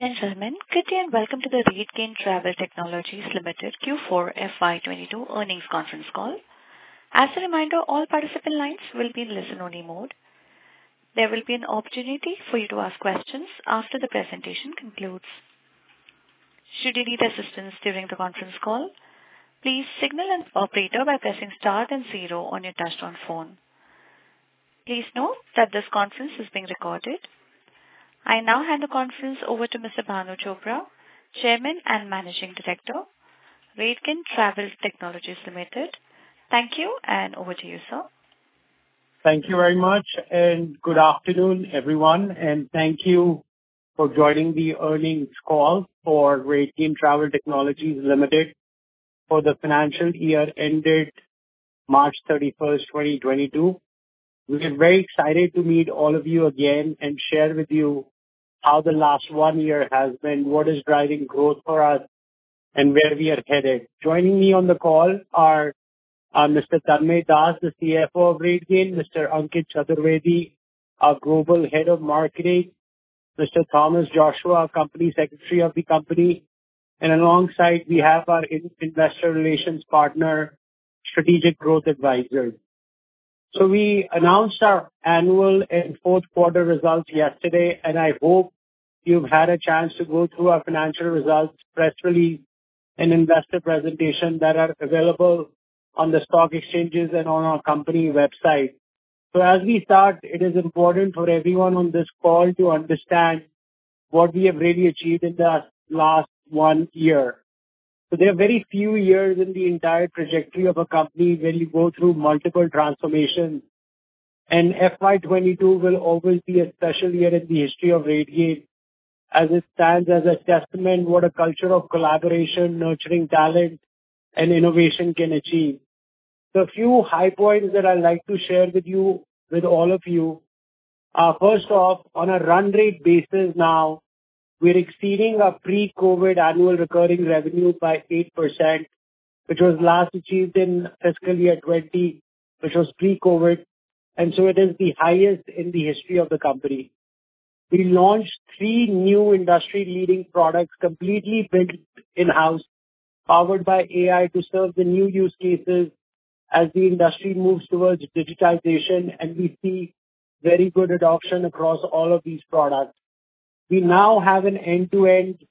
Gentlemen, good day and welcome to the RateGain Travel Technologies Limited Q4 FY 2022 earnings conference call. As a reminder, all participant lines will be in listen-only mode. There will be an opportunity for you to ask questions after the presentation concludes. Should you need assistance during the conference call, please signal an operator by pressing star then zero on your touchtone phone. Please note that this conference is being recorded. I now hand the conference over to Mr. Bhanu Chopra, Chairman and Managing Director, RateGain Travel Technologies Limited. Thank you, and over to you, sir. Thank you very much, and good afternoon, everyone. Thank you for joining the earnings call for RateGain Travel Technologies Limited for the financial year ended March 31, 2022. We are very excited to meet all of you again and share with you how the last one year has been, what is driving growth for us, and where we are headed. Joining me on the call are Mr. Tanmaya Das, the Chief Financial Officer of RateGain; Mr. Ankit Chaturvedi, our Global Head of Marketing; Mr. Thomas P. Joshua, our Company Secretary of the company. Alongside we have our investor relations partner, Strategic Growth Advisors. We announced our annual and Q4 results yesterday, and I hope you've had a chance to go through our financial results, press release and investor presentation that are available on the stock exchanges and on our company website. As we start, it is important for everyone on this call to understand what we have really achieved in the last one year. There are very few years in the entire trajectory of a company where you go through multiple transformations. FY 2022 will always be a special year in the history of RateGain, as it stands as a testament what a culture of collaboration, nurturing talent and innovation can achieve. A few high points that I'd like to share with you, with all of you. First off, on a run rate basis now, we're exceeding our pre-COVID annual recurring revenue by 8%, which was last achieved in fiscal year 2020, which was pre-COVID, and so it is the highest in the history of the company. We launched three new industry-leading products, completely built in-house, powered by AI to serve the new use cases as the industry moves towards digitization, and we see very good adoption across all of these products. We now have an end-to-end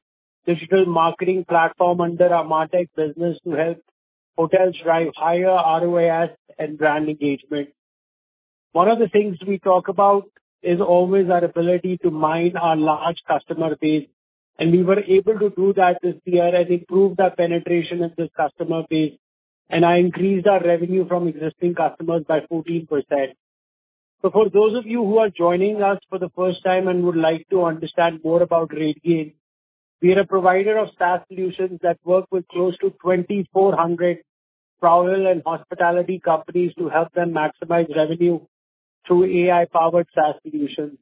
digital marketing platform under our MarTech business to help hotels drive higher ROAS and brand engagement. One of the things we talk about is always our ability to mine our large customer base, and we were able to do that this year as we proved our penetration in this customer base, and I increased our revenue from existing customers by 14%. For those of you who are joining us for the first time and would like to understand more about RateGain, we are a provider of SaaS solutions that work with close to 2,400 travel and hospitality companies to help them maximize revenue through AI-powered SaaS solutions.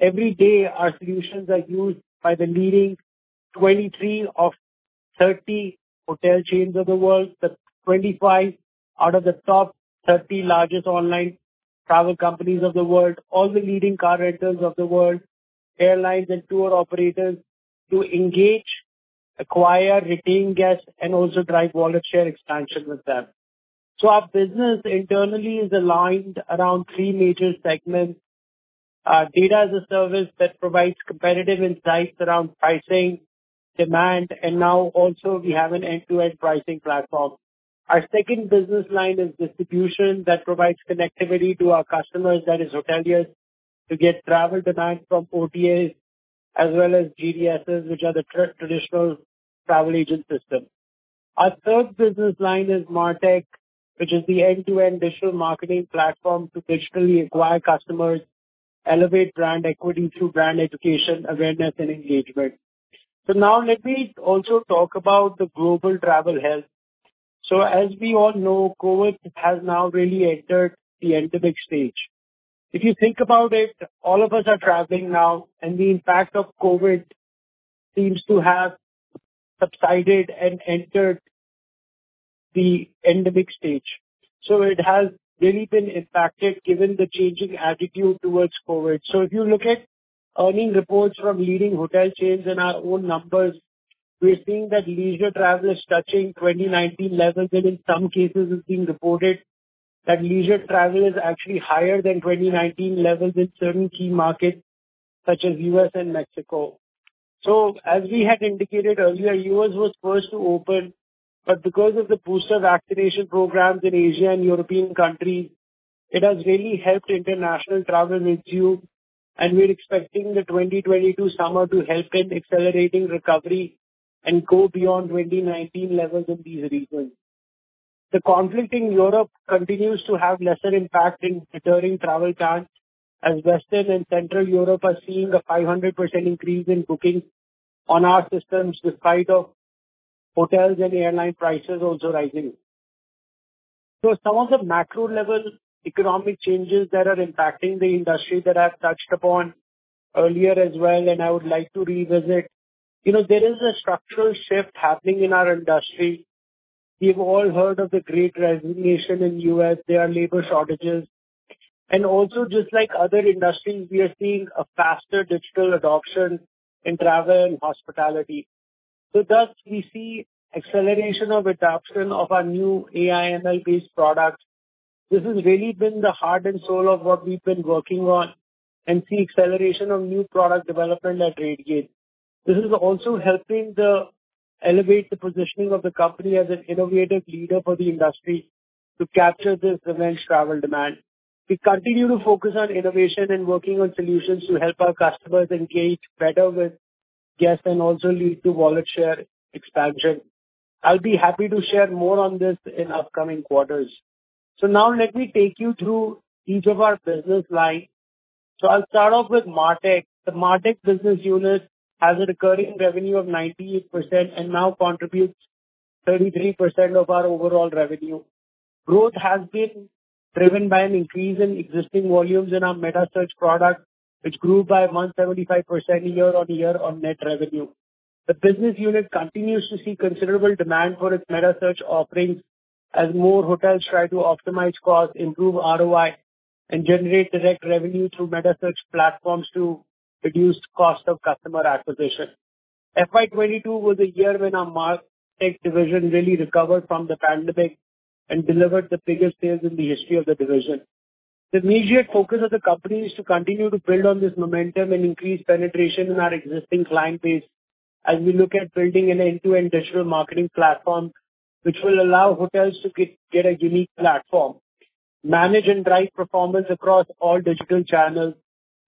Every day, our solutions are used by the leading 23 of 30 hotel chains of the world, the 25 out of the top 30 largest online travel companies of the world, all the leading car rentals of the world, airlines and tour operators, to engage, acquire, retain guests, and also drive wallet share expansion with them. Our business internally is aligned around three major segments. Our Data as a Service that provides competitive insights around pricing, demand, and now also we have an end-to-end pricing platform. Our second business line is distribution that provides connectivity to our customers, that is hoteliers, to get travel demand from OTAs as well as GDSs, which are the traditional travel agent system. Our third business line is MarTech, which is the end-to-end digital marketing platform to digitally acquire customers, elevate brand equity through brand education, awareness and engagement. Now let me also talk about the global travel health. As we all know, COVID has now really entered the endemic stage. If you think about it, all of us are traveling now, and the impact of COVID seems to have subsided and entered the endemic stage. It has really been impacted given the changing attitude towards COVID. If you look at earnings reports from leading hotel chains and our own numbers, we're seeing that leisure travel is touching 2019 levels, and in some cases, it's being reported that leisure travel is actually higher than 2019 levels in certain key markets such as U.S. and Mexico. As we had indicated earlier, U.S. was first to open, but because of the booster vaccination programs in Asia and European countries, it has really helped international travel resume, and we're expecting the 2022 summer to help in accelerating recovery and go beyond 2019 levels in these regions. The conflict in Europe continues to have lesser impact in deterring travel plans, as Western and Central Europe are seeing a 500% increase in bookings on our systems, despite hotels and airline prices also rising. Some of the macro level economic changes that are impacting the industry that I've touched upon earlier as well, and I would like to revisit. You know, there is a structural shift happening in our industry. We've all heard of the Great Resignation in U.S. There are labor shortages. Also just like other industries, we are seeing a faster digital adoption in travel and hospitality. Thus we see acceleration of adoption of our new AI/ML-based products. This has really been the heart and soul of what we've been working on and see acceleration of new product development at RateGain. This is also helping elevate the positioning of the company as an innovative leader for the industry to capture this revenge travel demand. We continue to focus on innovation and working on solutions to help our customers engage better with guests and also lead to wallet share expansion. I'll be happy to share more on this in upcoming quarters. Now let me take you through each of our business lines. I'll start off with MarTech. The MarTech business unit has a recurring revenue of 98% and now contributes 33% of our overall revenue. Growth has been driven by an increase in existing volumes in our metasearch product, which grew by 175% year-on-year on net revenue. The business unit continues to see considerable demand for its metasearch offerings as more hotels try to optimize costs, improve ROI, and generate direct revenue through metasearch platforms to reduce cost of customer acquisition. FY 2022 was a year when our MarTech division really recovered from the pandemic and delivered the biggest sales in the history of the division. The immediate focus of the company is to continue to build on this momentum and increase penetration in our existing client base as we look at building an end-to-end digital marketing platform which will allow hotels to get a unique platform. Manage and drive performance across all digital channels.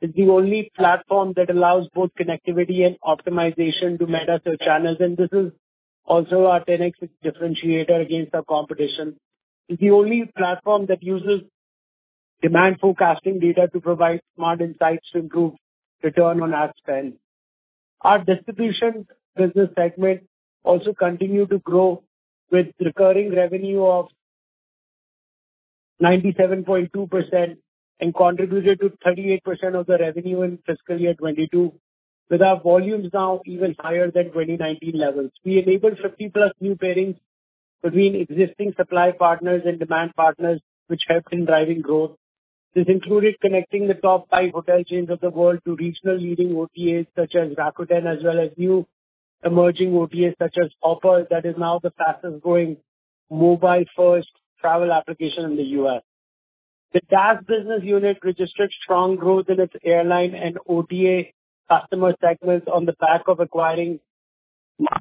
It's the only platform that allows both connectivity and optimization to metasearch channels, and this is also our 10x differentiator against our competition. It's the only platform that uses demand forecasting data to provide smart insights to improve return on ad spend. Our distribution business segment also continued to grow with recurring revenue of 97.2% and contributed to 38% of the revenue in fiscal year 2022, with our volumes now even higher than 2019 levels. We enabled +50 new pairings between existing supply partners and demand partners, which have been driving growth. This included connecting the top five hotel chains of the world to regional leading OTAs such as Rakuten, as well as new emerging OTAs such as Hopper, that is now the fastest-growing mobile-first travel application in the U.S. The DaaS business unit registered strong growth in its airline and OTA customer segments on the back of acquiring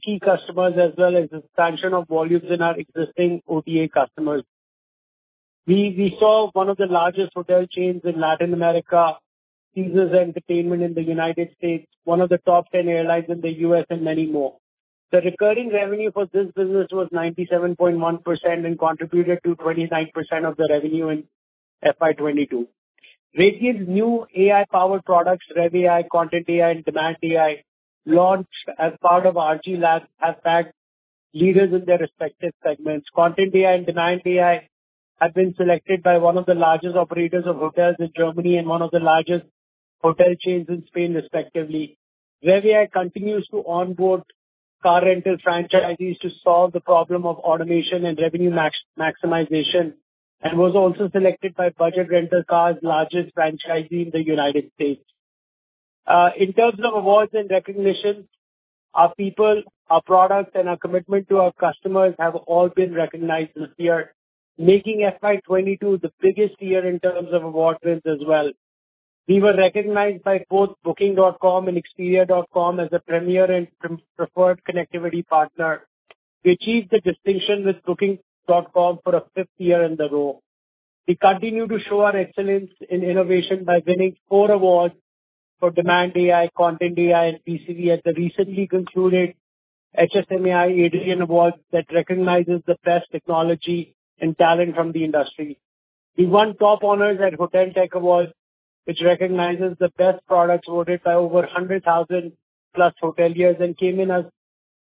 key customers as well as expansion of volumes in our existing OTA customers. We saw one of the largest hotel chains in Latin America, Caesars Entertainment in the United States, one of the top ten airlines in the U.S. and many more. The recurring revenue for this business was 97.1% and contributed to 29% of the revenue in FY 2022. RateGain's new AI-powered products, revAI, Content.AI, and Demand.AI, launched as part of RG Labs, have bagged leaders in their respective segments. Content.AI and Demand.AI have been selected by one of the largest operators of hotels in Germany and one of the largest hotel chains in Spain, respectively. revAI continues to onboard car rental franchisees to solve the problem of automation and revenue maximization, and was also selected by Budget Rent a Car's largest franchisee in the United States. In terms of awards and recognition, our people, our products, and our commitment to our customers have all been recognized this year, making FY 2022 the biggest year in terms of award wins as well. We were recognized by both Booking.com and Expedia.com as a premier and preferred connectivity partner. We achieved the distinction with Booking.com for a fifth year in a row. We continue to show our excellence in innovation by winning four awards for Demand.AI, Content.AI, and BCV at the recently concluded HSMAI Adrian Awards that recognizes the best technology and talent from the industry. We won top honors at HotelTechAwards, which recognizes the best products voted by over +100,000 hoteliers, and came in as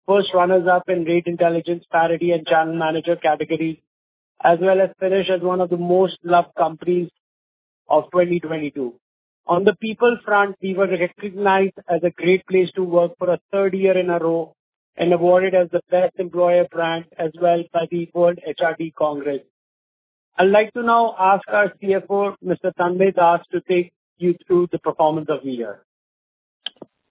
first runners up in Rate Intelligence, Parity, and Channel Manager categories, as well as finish as one of the most loved companies of 2022. On the people front, we were recognized as a great place to work for a third year in a row and awarded as the Best Employer brand as well by the World HRD Congress. I'd like to now ask our Chief Financial Officer, Mr. Tanmaya Das, to take you through the performance of the year.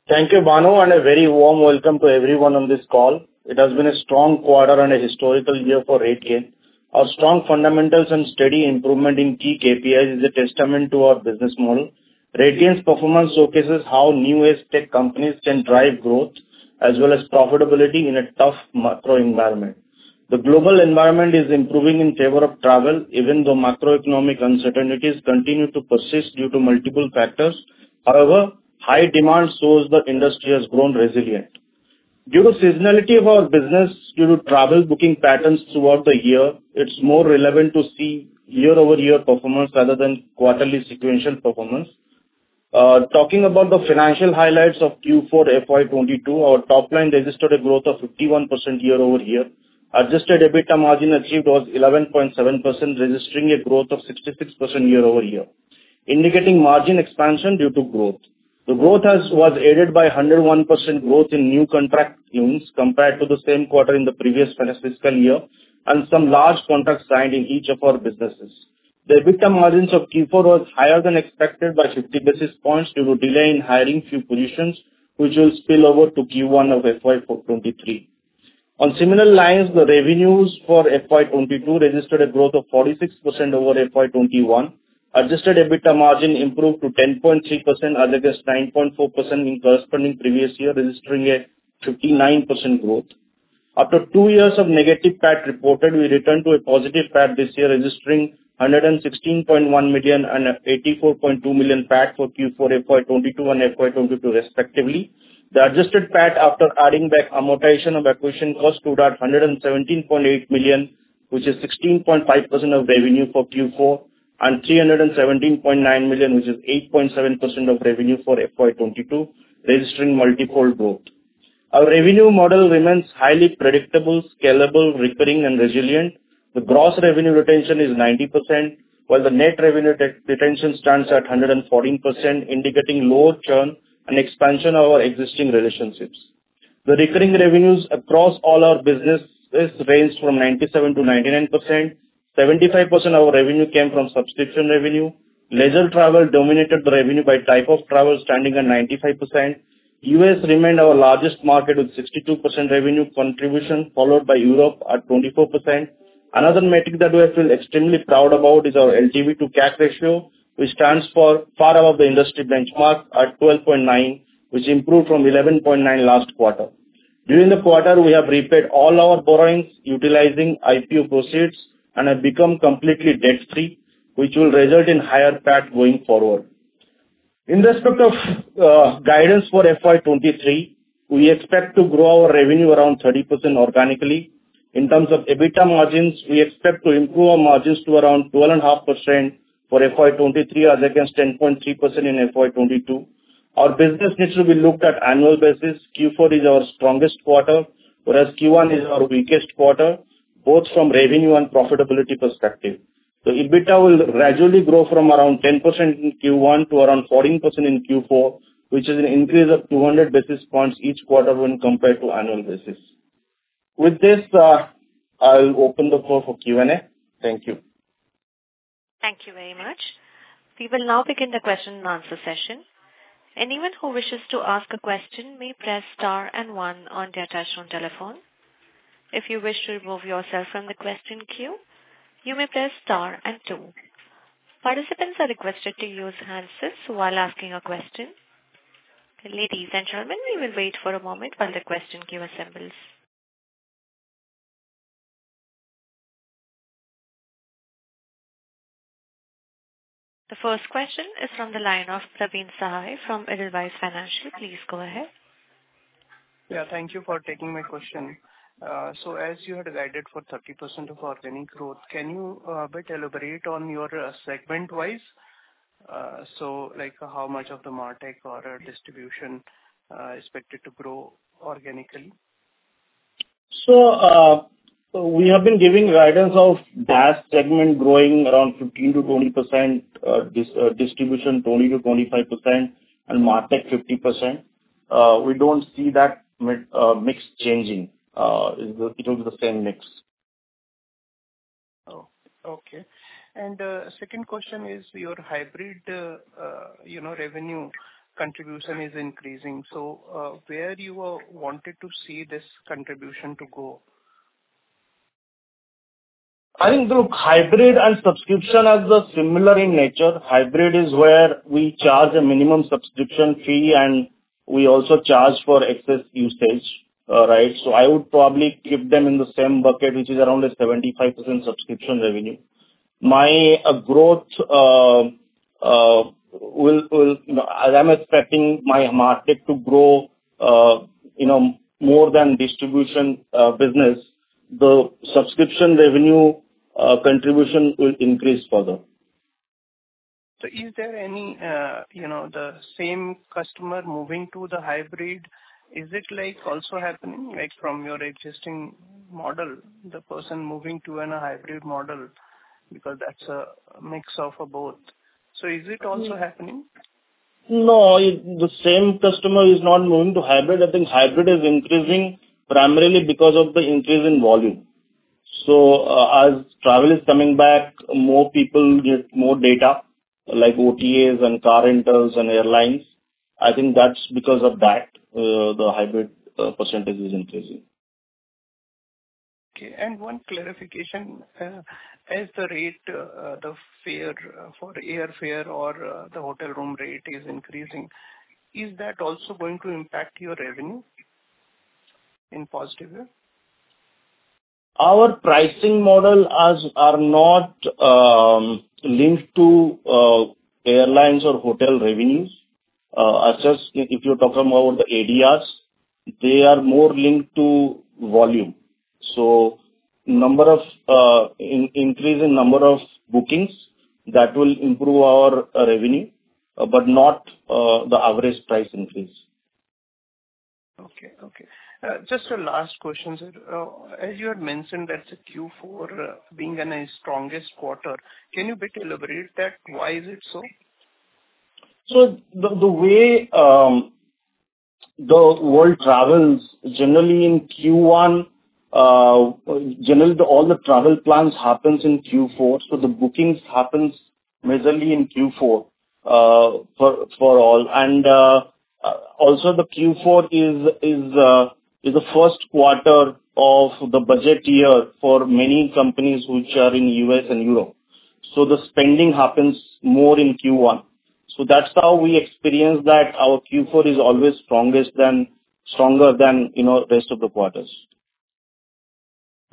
Thank you, Bhanu, and a very warm welcome to everyone on this call. It has been a strong quarter and a historical year for RateGain. Our strong fundamentals and steady improvement in key KPIs is a testament to our business model. RateGain's performance showcases how new age tech companies can drive growth as well as profitability in a tough macro environment. The global environment is improving in favor of travel, even though macroeconomic uncertainties continue to persist due to multiple factors. However, high demand shows the industry has grown resilient. Due to seasonality of our business due to travel booking patterns throughout the year, it's more relevant to see year-over-year performance rather than quarterly sequential performance. Talking about the financial highlights of Q4 FY 2022, our top line registered a growth of 51% year-over-year. Adjusted EBITDA margin achieved was 11.7%, registering a growth of 66% year-over-year, indicating margin expansion due to growth. The growth was aided by a 101% growth in new contract wins compared to the same quarter in the previous fiscal year, and some large contracts signed in each of our businesses. The EBITDA margins of Q4 was higher than expected by 50 basis points due to delay in hiring few positions, which will spill over to Q1 of FY 2023. On similar lines, the revenues for FY 2022 registered a growth of 46% over FY 2021. Adjusted EBITDA margin improved to 10.3% as against 9.4% in corresponding previous year, registering a 59% growth. After two years of negative PAT reported, we returned to a positive PAT this year, registering 116.1 million and 84.2 million PAT for Q4 FY 2022 and FY 2022 respectively. The adjusted PAT after adding back amortization of acquisition cost stood at 117.8 million, which is 16.5% of revenue for Q4, and 317.9 million, which is 8.7% of revenue for FY 2022, registering multiple growth. Our revenue model remains highly predictable, scalable, recurring and resilient. The gross revenue retention is 90%, while the net revenue retention stands at 114%, indicating lower churn and expansion of our existing relationships. The recurring revenues across all our businesses ranged from 97%-99%. 75% of our revenue came from subscription revenue. Leisure travel dominated the revenue by type of travel, standing at 95%. US remained our largest market with 62% revenue contribution, followed by Europe at 24%. Another metric that we feel extremely proud about is our LTV to CAC ratio, which stands far above the industry benchmark at 12.9, which improved from 11.9 last quarter. During the quarter, we have repaid all our borrowings utilizing IPO proceeds and have become completely debt free, which will result in higher PAT going forward. In respect of guidance for FY 2023, we expect to grow our revenue around 30% organically. In terms of EBITDA margins, we expect to improve our margins to around 12.5% for FY 2023 as against 10.3% in FY 2022. Our business needs to be looked at on an annual basis. Q4 is our strongest quarter, whereas Q1 is our weakest quarter, both from revenue and profitability perspective. EBITDA will gradually grow from around 10% in Q1 to around 14% in Q4, which is an increase of 200 basis points each quarter when compared to annual basis. With this, I'll open the floor for Q&A. Thank you. Thank you very much. We will now begin the question and answer session. Anyone who wishes to ask a question may press star and one on their touchtone telephone. If you wish to remove yourself from the question queue, you may press star and two. Participants are requested to use hands-free while asking a question. Ladies and gentlemen, we will wait for a moment while the question queue assembles. The first question is from the line of Praveen Sahay from Edelweiss Financial Services. Please go ahead. Yeah, thank you for taking my question. As you had guided for 30% of organic growth, can you bit elaborate on your segment-wise? Like how much of the MarTech or distribution expected to grow organically? We have been giving guidance of DaaS segment growing around 15%-20%, distribution 20%-25% and MarTech 50%. We don't see that mix changing. It will be the same mix. Oh, okay. Second question is your hybrid, you know, revenue contribution is increasing. Where you wanted to see this contribution to go? I think the hybrid and subscription are similar in nature. Hybrid is where we charge a minimum subscription fee, and we also charge for excess usage. All right. I would probably keep them in the same bucket, which is around a 75% subscription revenue. My growth will. As I'm expecting my market to grow, you know, more than distribution business, the subscription revenue contribution will increase further. Is there any, you know, the same customer moving to the hybrid? Is it like also happening, like from your existing model, the person moving to a hybrid model? Because that's a mix of both. Is it also happening? No, the same customer is not moving to hybrid. I think hybrid is increasing primarily because of the increase in volume. As travel is coming back, more people get more data, like OTAs and car rentals and airlines. I think that's because of that, the hybrid percentage is increasing. Okay. One clarification. As the rate, the fare, for airfare or the hotel room rate is increasing, is that also going to impact your revenue in positive way? Our pricing model are not linked to airlines or hotel revenues. If you're talking about the ADRs, they are more linked to volume. Increase in number of bookings, that will improve our revenue, but not the average price increase. Okay. Just a last question, sir. As you had mentioned that the Q4 being the strongest quarter, can you elaborate a bit why it is so? The way the world travels generally in Q1, generally all the travel plans happens in Q4, so the bookings happens majorly in Q4, for all. Also the Q4 is the Q1 of the budget year for many companies which are in U.S. and Europe. The spending happens more in Q1. That's how we experience that our Q4 is always stronger than, you know, rest of the quarters.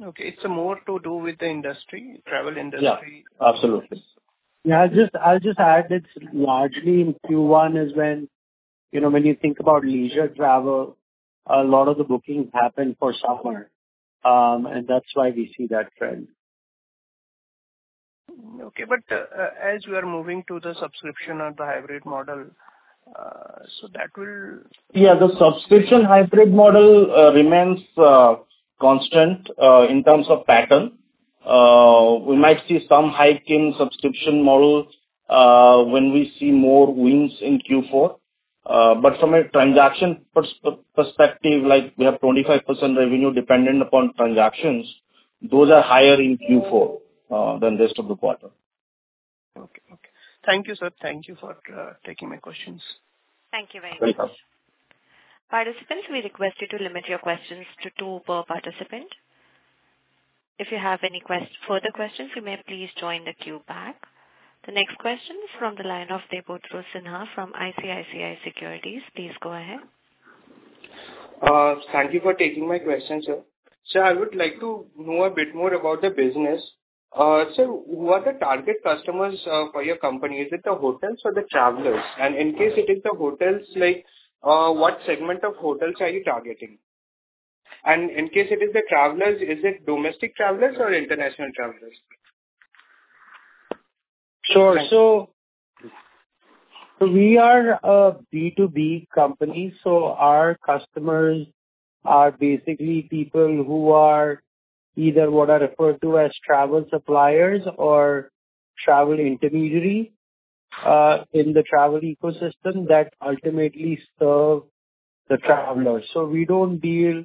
Okay. It's more to do with the industry, travel industry. Yeah, absolutely. Yeah. I'll just add it's largely in Q1 is when, you know, when you think about leisure travel, a lot of the bookings happen for summer, and that's why we see that trend. As we are moving to the subscription or the hybrid model, that will. Yeah. The subscription hybrid model remains constant in terms of pattern. We might see some hike in subscription model when we see more wins in Q4. From a transaction perspective, like, we have 25% revenue dependent upon transactions. Those are higher in Q4 than rest of the quarter. Okay. Thank you, sir. Thank you for taking my questions. Thank you very much. Welcome. Participants, we request you to limit your questions to two per participant. If you have any further questions, you may please join the queue back. The next question is from the line of Debotosh Sinha from ICICI Securities. Please go ahead. Thank you for taking my question, sir. Sir, I would like to know a bit more about the business. Sir, who are the target customers for your company? Is it the hotels or the travelers? In case it is the hotels, like, what segment of hotels are you targeting? In case it is the travelers, is it domestic travelers or international travelers? Sure. Thank you. We are a B2B company, so our customers are basically people who are either what are referred to as travel suppliers or travel intermediaries in the travel ecosystem that ultimately serve the travelers. We don't deal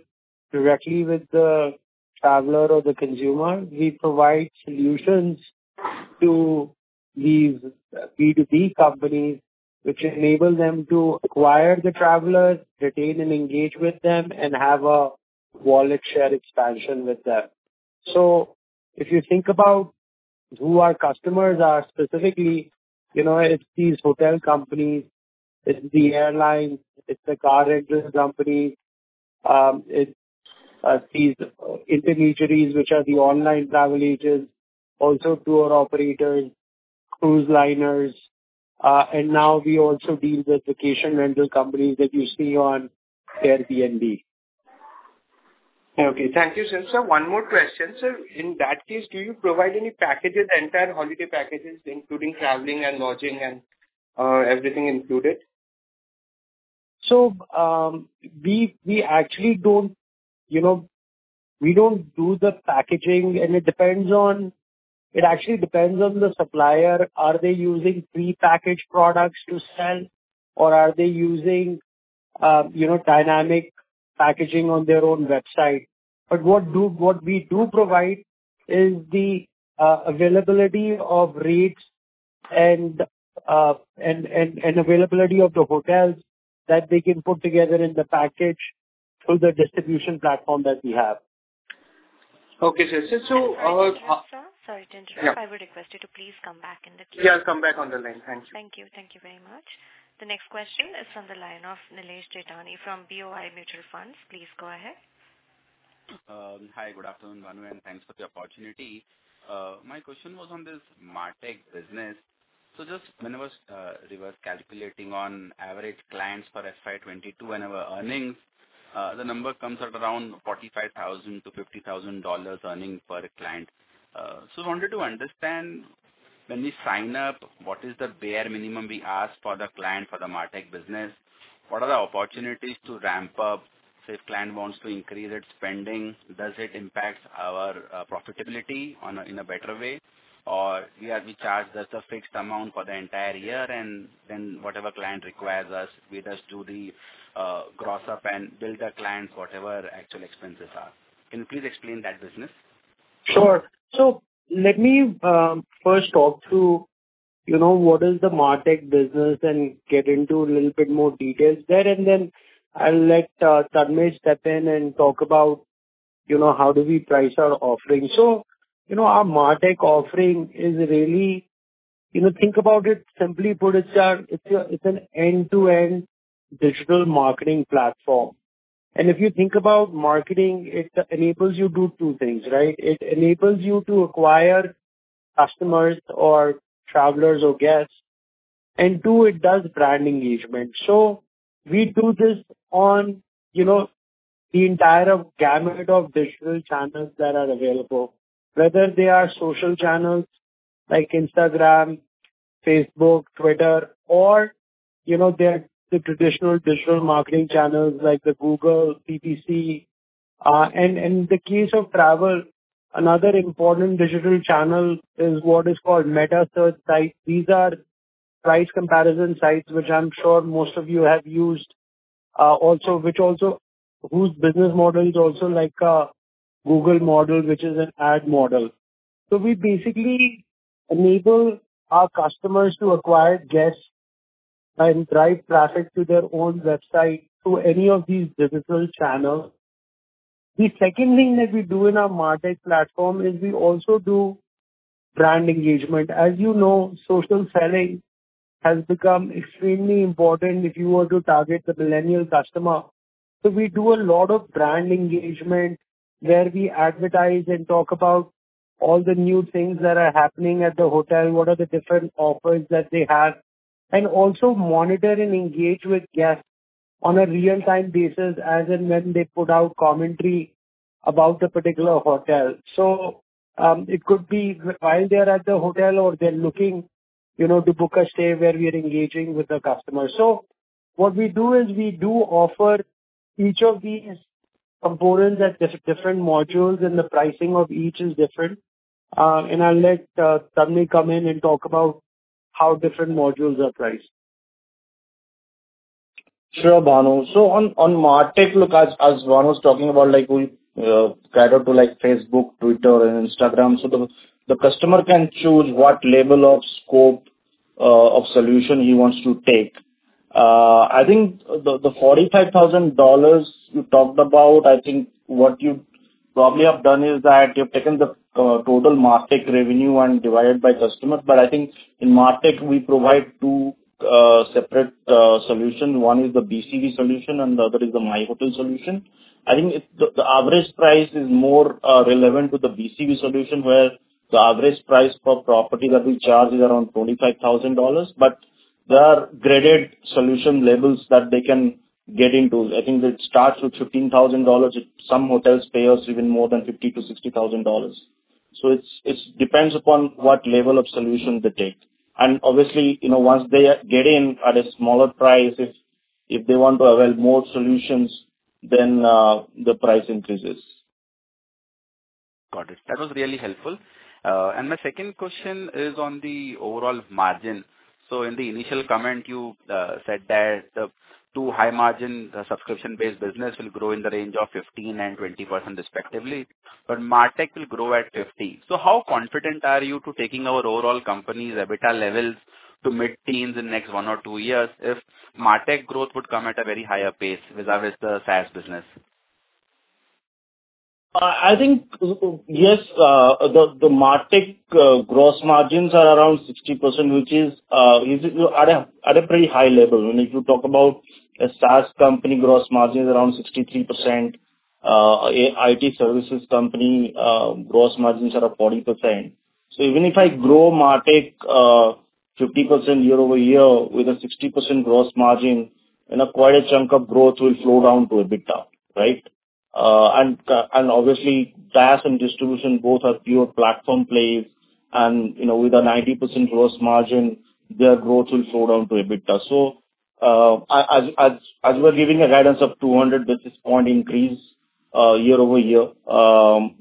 directly with the traveler or the consumer. We provide solutions to these B2B companies which enable them to acquire the travelers, retain and engage with them, and have a wallet share expansion with them. If you think about who our customers are specifically, you know, it's these hotel companies, it's the airlines, it's the car rental companies, it's these intermediaries, which are the online travel agents, also tour operators, cruise liners, and now we also deal with vacation rental companies that you see on Airbnb. Okay. Thank you, sir. Sir, one more question. Sir, in that case, do you provide any packages, entire holiday packages, including traveling and lodging and everything included? We actually don't, you know, we don't do the packaging, and it actually depends on the supplier. Are they using prepackaged products to sell or are they using dynamic packaging on their own website? What we do provide is the availability of rates and availability of the hotels that they can put together in the package through the distribution platform that we have. Okay, sir. Sorry to interrupt. Yeah. I would request you to please come back in the queue. Yeah, I'll come back on the line. Thank you. Thank you. Thank you very much. The next question is on the line of Nilesh Jethani from BOI Mutual Fund. Please go ahead. Hi, good afternoon, Bhanu, and thanks for the opportunity. My question was on this MarTech business. Just when we were calculating on average clients for FY 2022 and our earnings, the number comes at around $45,000-$50,000 earning per client. Wanted to understand when we sign up, what is the bare minimum we ask for the client for the MarTech business? What are the opportunities to ramp up if client wants to increase its spending? Does it impact our profitability in a better way? Or we charge just a fixed amount for the entire year, and then whatever client requires us, we just do the gross up and bill the client whatever actual expenses are. Can you please explain that business? Sure. Let me first talk through, you know, what is the MarTech business and get into a little bit more details there, and then I'll let Tanmay step in and talk about, you know, how do we price our offerings. You know, our MarTech offering is really, you know, think about it, simply put it, sir, it's an end-to-end digital marketing platform. If you think about marketing, it enables you do two things, right? It enables you to acquire customers or travelers or guests, and two, it does brand engagement. We do this on, you know, the entire gamut of digital channels that are available, whether they are social channels like Instagram, Facebook, X, or, you know, the traditional digital marketing channels like the Google PPC. In the case of travel, another important digital channel is what is called metasearch site. These are price comparison sites, which I'm sure most of you have used, whose business model is also like a Google model, which is an ad model. We basically enable our customers to acquire guests and drive traffic to their own website through any of these digital channels. The second thing that we do in our MarTech platform is we also do brand engagement. As you know, social selling has become extremely important if you were to target the millennial customer. We do a lot of brand engagement where we advertise and talk about all the new things that are happening at the hotel, what are the different offers that they have, and also monitor and engage with guests on a real-time basis as and when they put out commentary about the particular hotel. It could be while they're at the hotel or they're looking, you know, to book a stay where we are engaging with the customer. What we do is we do offer each of these components at different modules, and the pricing of each is different. I'll let Tanmaya come in and talk about how different modules are priced. Sure, Bhanu. On MarTech, look, as Bhanu's talking about, like, we cater to, like, Facebook, X and Instagram. The customer can choose what level of scope of solution he wants to take. I think the $45,000 you talked about, I think what you probably have done is that you've taken the total MarTech revenue and divided by customers. In MarTech, we provide two separate solution. One is the BCV solution, and the other is the MyHotelShop solution. I think the average price is more relevant to the BCV solution, where the average price per property that we charge is around $25,000. There are graded solution levels that they can get into. It starts with $15,000. Some hotels pay us even more than $50,000-$60,000. It depends upon what level of solution they take. Obviously, you know, once they get in at a smaller price, if they want to avail more solutions, then the price increases. Got it. That was really helpful. My second question is on the overall margin. In the initial comment, you said that the two high margin subscription-based business will grow in the range of 15% and 20% respectively, but MarTech will grow at 50%. How confident are you to taking our overall company's EBITDA levels to mid-teens% in next one or two years if MarTech growth would come at a very higher pace vis-a-vis the SaaS business? I think, yes, the MarTech gross margins are around 60%, which is at a pretty high level. If you talk about a SaaS company, gross margin is around 63%. IT services company, gross margins are up 40%. Even if I grow MarTech 50% year-over-year with a 60% gross margin, quite a chunk of growth will flow down to EBITDA, right? Obviously SaaS and distribution both are pure platform plays and, you know, with a 90% gross margin, their growth will flow down to EBITDA. As we're giving a guidance of 200 basis point increase year-over-year,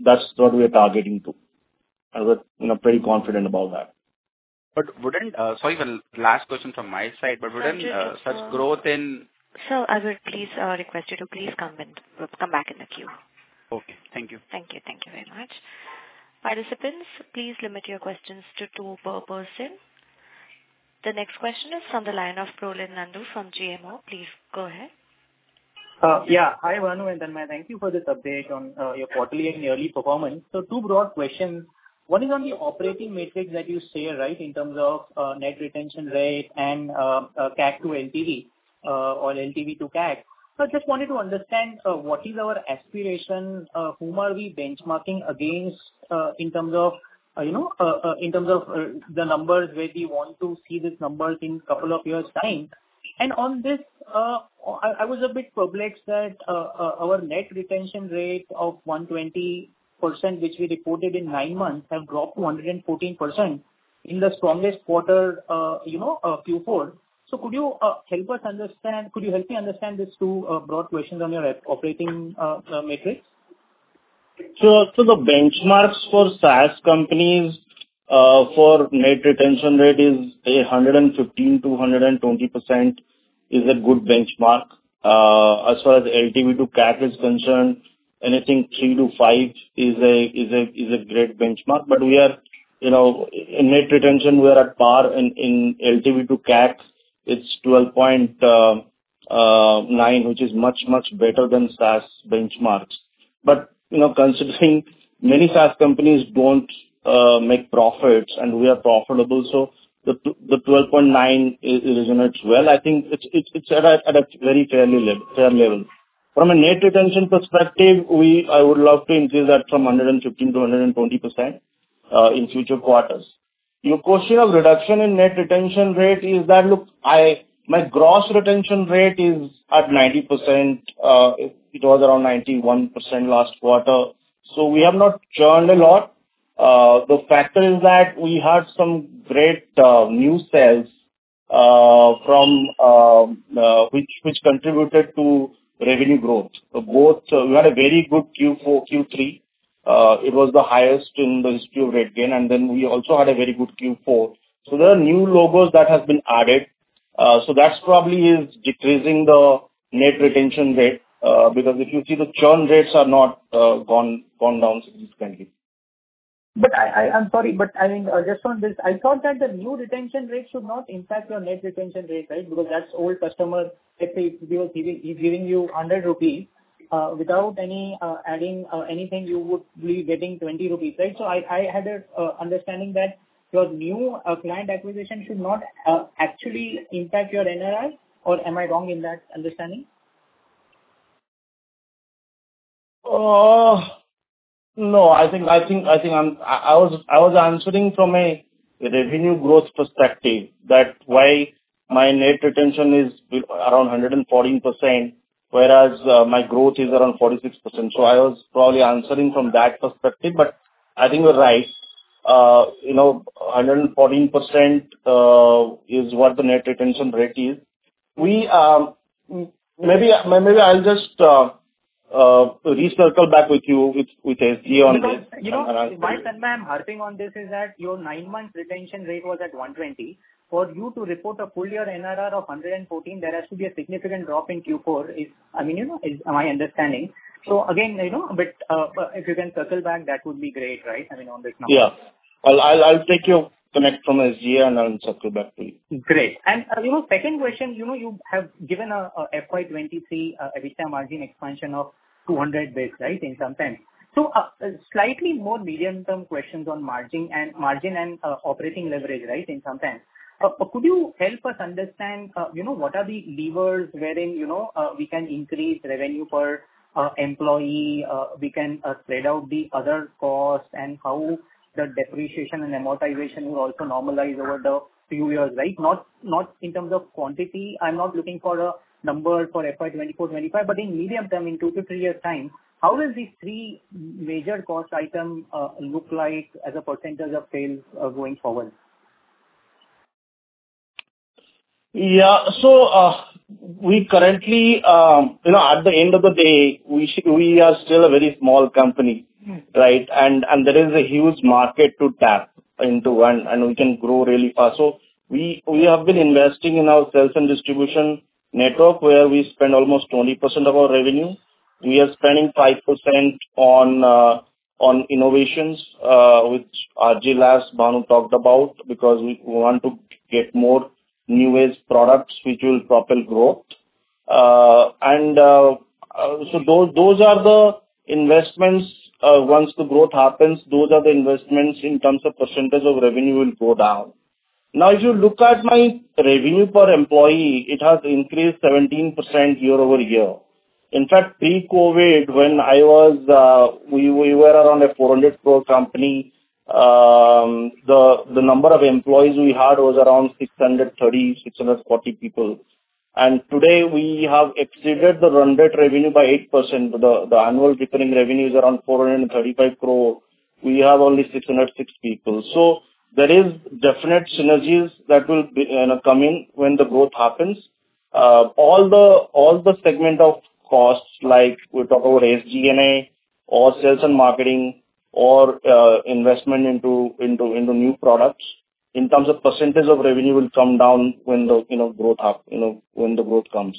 that's what we are targeting to. We're, you know, pretty confident about that. Sorry, the last question from my side. Wouldn't such growth in- Sir, I would please request you to please come back in the queue. Okay. Thank you. Thank you. Thank you very much. Participants, please limit your questions to two per person. The next question is from the line of Prolin Nandu from GMO. Please go ahead. Yeah. Hi, Bhanu and Tanmaya. Thank you for this update on your quarterly and yearly performance. Two broad questions. One is on the operating metrics that you share, right? In terms of net retention rate and CAC to LTV, or LTV to CAC. I just wanted to understand what is our aspiration, whom are we benchmarking against, in terms of, you know, the numbers where we want to see these numbers in couple of years' time. I was a bit perplexed that our net retention rate of 120%, which we reported in nine months, have dropped to 114% in the strongest quarter, you know, Q4. Could you help me understand these two broad questions on your operating metrics? The benchmarks for SaaS companies for net retention rate is 115%-120% is a good benchmark. As far as LTV to CAC is concerned, anything three-five is a great benchmark. But we are, you know, in net retention, we are at par. In LTV to CAC, it's 12.9, which is much better than SaaS benchmarks. But, you know, considering many SaaS companies don't make profits and we are profitable, so the 12.9 is in itself well. I think it's at a very fair level. From a net retention perspective, I would love to increase that from 115% to 120% in future quarters. Your question of reduction in net retention rate is that, look, my gross retention rate is at 90%. It was around 91% last quarter. We have not churned a lot. The factor is that we had some great new sales from which contributed to revenue growth. We had a very good Q4, Q3. It was the highest in the history of RateGain, and then we also had a very good Q4. There are new logos that have been added. That's probably is decreasing the net retention rate, because if you see the churn rates are not gone down significantly. I'm sorry, but I mean, just on this, I thought that the new retention rate should not impact your net retention rate, right? Because that's old customer. Let's say if he was giving, he's giving you 100 rupees, without any adding or anything, you would be getting 20 rupees, right? So I had a understanding that your new client acquisition should not actually impact your NRR, or am I wrong in that understanding? No. I think I was answering from a revenue growth perspective as to why my net retention is around 114%, whereas my growth is around 46%. I was probably answering from that perspective, but I think you're right. You know, 114% is what the net retention rate is. We maybe I'll just circle back with you with SGA on this. You know, why, Tanmaya, I'm harping on this is that your nine-month retention rate was at 120. For you to report a full year NRR of 114, there has to be a significant drop in Q4. I mean, you know, but if you can circle back, that would be great, right? I mean, on this number. Yeah. I'll take your connect from SGA and I'll circle back to you. Great. You know, second question, you know, you have given a FY 2023 EBITDA margin expansion of 200 basis points, right? In some time. Slightly more medium-term questions on margin and operating leverage, right? In some time. Could you help us understand, you know, what are the levers wherein, you know, we can increase revenue per employee, we can spread out the other costs and how the depreciation and amortization will also normalize over the few years, right? Not in terms of quantity. I'm not looking for a number for FY 2024, 2025, but in medium term, in two to three years' time, how will these three major cost item look like as a percentage of sales going forward? Yeah. We currently, you know, at the end of the day, we are still a very small company. Right? There is a huge market to tap into and we can grow really fast. We have been investing in our sales and distribution network where we spend almost 20% of our revenue. We are spending 5% on innovations, which as Bhanu talked about because we want to get more newest products which will propel growth. Those are the investments. Once the growth happens, those are the investments in terms of percentage of revenue will go down. Now, if you look at my revenue per employee, it has increased 17% year-over-year. In fact, pre-COVID, when we were around a 400 crore company, the number of employees we had was around 630-640 people. Today, we have exceeded the run rate revenue by 8%. The annual recurring revenue is around 435 crore. We have only 606 people. There is definite synergies that will be, you know, come in when the growth happens. All the segment of costs like we talk about SG&A or sales and marketing or investment into new products, in terms of percentage of revenue will come down when the, you know, growth up, you know, when the growth comes.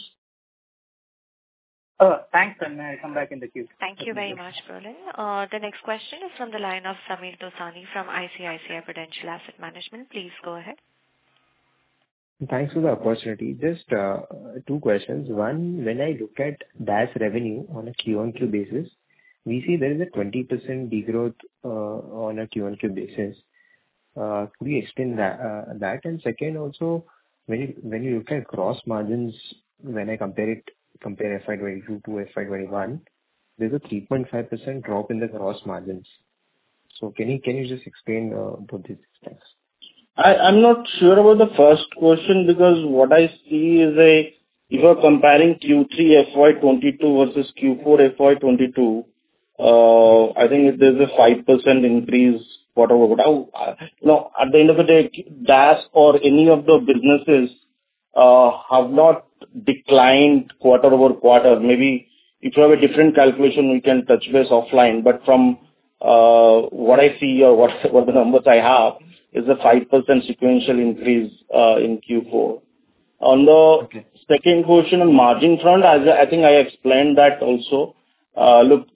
Thanks, Tanmaya. I come back in the queue. Thank you very much, Prolin. The next question is from the line of Sameer Dosani from ICICI Prudential Asset Management. Please go ahead. Thanks for the opportunity. Just two questions. One, when I look at DaaS revenue on a Q-on-Q basis, we see there is a 20% degrowth on a Q-on-Q basis. Could you explain that? Second, also when you look at gross margins, when I compare FY 2022 to FY 2021, there's a 3.5% drop in the gross margins. Can you just explain both these things? I'm not sure about the first question because what I see is you are comparing Q3 FY22 versus Q4 FY22. I think there's a 5% increase quarter-over-quarter. You know, at the end of the day, DaaS or any of the businesses have not declined quarter-over-quarter. Maybe if you have a different calculation, we can touch base offline. From what I see or what the numbers I have is a 5% sequential increase in Q4. Okay. On the second question on margin front, I think I explained that also. Look,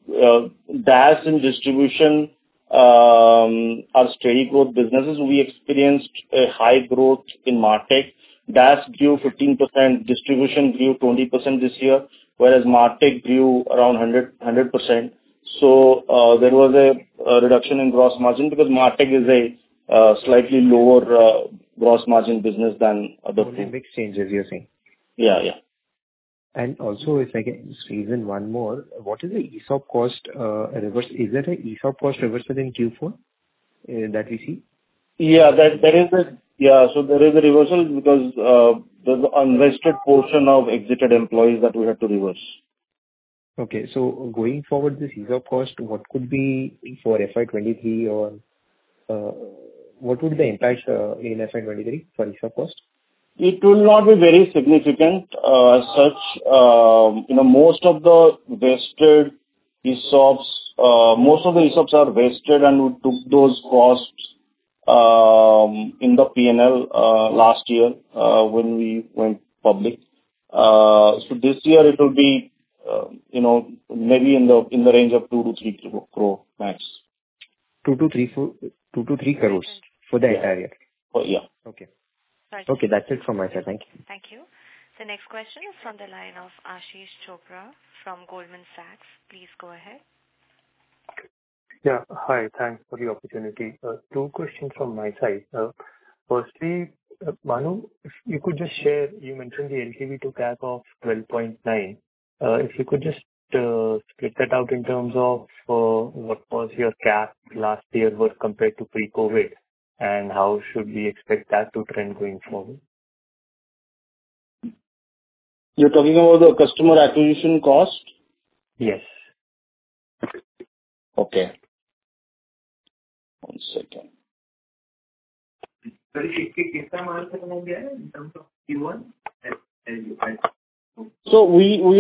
DaaS and distribution are steady growth businesses. We experienced a high growth in MarTech. DaaS grew 15%, distribution grew 20% this year, whereas MarTech grew around 100%. There was a reduction in gross margin because MarTech is a slightly lower gross margin business than other things. Mix changes, you're saying? Yeah. Also if I can squeeze in one more. What is the ESOP cost reversal? Is it an ESOP cost reversal in Q4? That we see? Yeah, so there is a reversal because there's an unvested portion of exited employees that we have to reverse. Going forward, the ESOP cost, what could be for FY 23 or, what would be the impact, in FY 23 for ESOP cost? It will not be very significant, as such. You know, most of the ESOPs are vested, and we took those costs in the PNL last year when we went public. This year it will be, you know, maybe in the range of 2 crore-3 crore max. 2-3 crores for the entire year? Yeah. Okay. Right. Okay, that's it from my side. Thank you. Thank you. The next question is from the line of Ashish Chopra from Goldman Sachs. Please go ahead. Yeah. Hi. Thanks for the opportunity. Two questions from my side. Firstly, Bhanu, if you could just share, you mentioned the LTV to CAC of 12.9. If you could just split that out in terms of what was your CAC last year compared to pre-COVID, and how should we expect that to trend going forward? You're talking about the customer acquisition cost? Yes. Okay. One second. We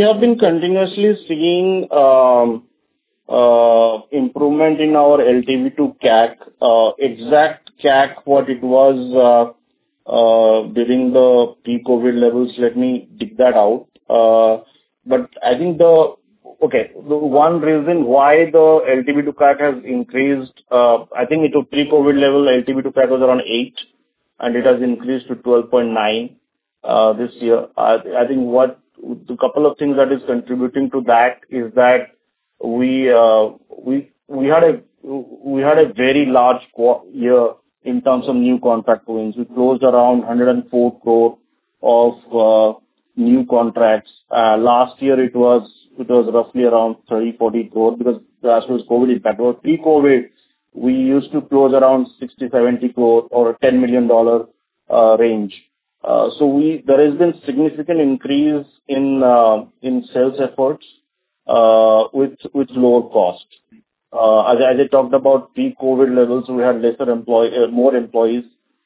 have been continuously seeing improvement in our LTV to CAC. Exact CAC, what it was during the pre-COVID levels, let me dig that out. The one reason why the LTV to CAC has increased, I think the pre-COVID level LTV to CAC was around eight, and it has increased to 12.9 this year. I think a couple of things that is contributing to that is that we had a very large year in terms of new contract wins. We closed around 104 crore of new contracts. Last year it was roughly around 30-40 crore because that was COVID impact. Pre-COVID, we used to close around 60-70 crore or $10 million range. There has been significant increase in sales efforts with lower cost. As I talked about pre-COVID levels, we had more employees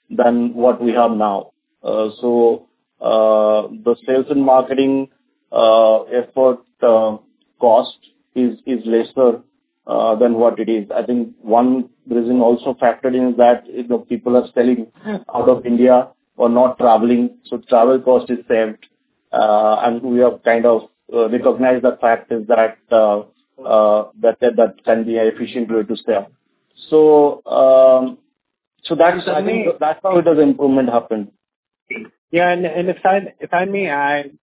than what we have now. The sales and marketing effort cost is lesser than what it is. I think one reason also factored in that, you know, people are selling out of India or not traveling, so travel cost is saved. We have kind of recognized the fact is that that can be an efficient way to sell. That's, I think that's how it has improvement happened. Yeah, if I may add,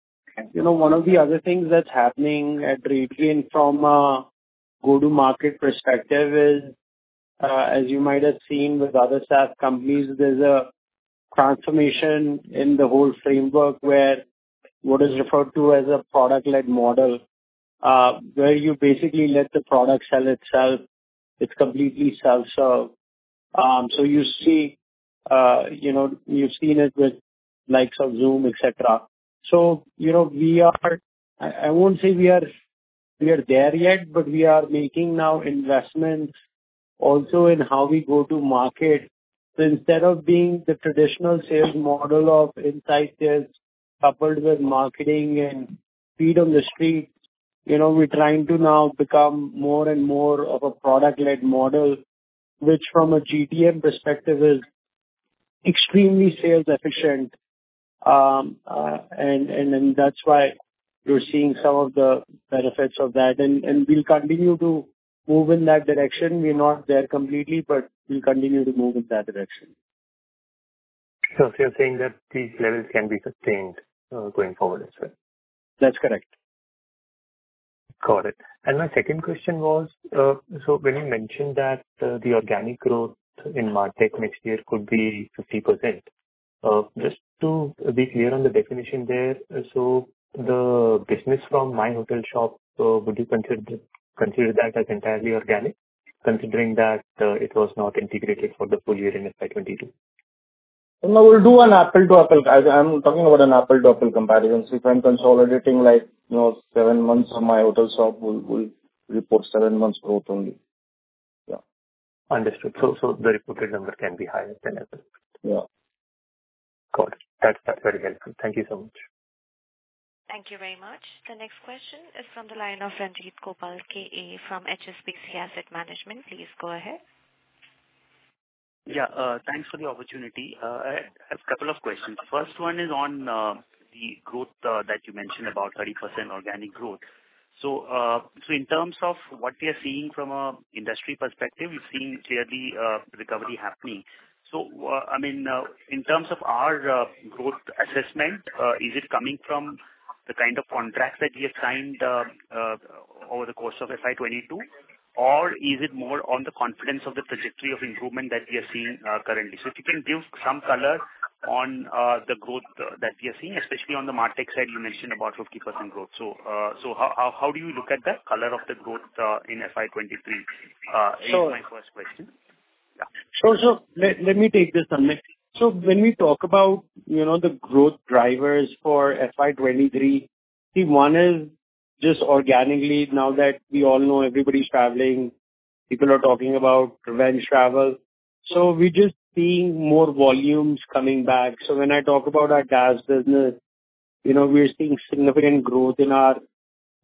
you know, one of the other things that's happening at RateGain from a go-to-market perspective is, as you might have seen with other SaaS companies, there's a transformation in the whole framework where what is referred to as a product-led model, where you basically let the product sell itself. It's completely self-serve. You see, you know, you've seen it with likes of Zoom, et cetera. You know, I won't say we are there yet, but we are making now investments also in how we go to market. Instead of being the traditional sales model of inside sales coupled with marketing and feet on the street, you know, we're trying to now become more and more of a product-led model, which from a GTM perspective is extremely sales efficient. That's why you're seeing some of the benefits of that. We'll continue to move in that direction. We're not there completely, but we'll continue to move in that direction. You're saying that these levels can be sustained, going forward as well? That's correct. Got it. My second question was, so when you mentioned that, the organic growth in MarTech next year could be 50%, just to be clear on the definition there, so the business from MyHotelShop, would you consider that as entirely organic considering that, it was not integrated for the full year in FY 2022? No, we'll do an apples-to-apples. I'm talking about an apples-to-apples comparison. If I'm consolidating like, you know, seven months of MyHotelShop, we'll report seven months growth only. Yeah. Understood. The reported number can be higher than Apple? Yeah. Got it. That's very helpful. Thank you so much. Thank you very much. The next question is from the line of Ranjit Gopalakrishnan from HSBC Asset Management. Please go ahead. Yeah. Thanks for the opportunity. A couple of questions. First one is on the growth that you mentioned about 30% organic growth. In terms of what we are seeing from an industry perspective, we're seeing clearly recovery happening. I mean, in terms of our growth assessment, is it coming from the kind of contracts that we have signed over the course of FY 2022, or is it more on the confidence of the trajectory of improvement that we are seeing currently? If you can give some color on the growth that we are seeing, especially on the MarTech side, you mentioned about 50% growth. How do you look at the color of the growth in FY 2023? Is my first question. Sure. Let me take this, Tanmaya. When we talk about, you know, the growth drivers for FY 2023, key one is just organically now that we all know everybody's traveling, people are talking about revenge travel. We're just seeing more volumes coming back. When I talk about our DaaS business, you know, we're seeing significant growth in our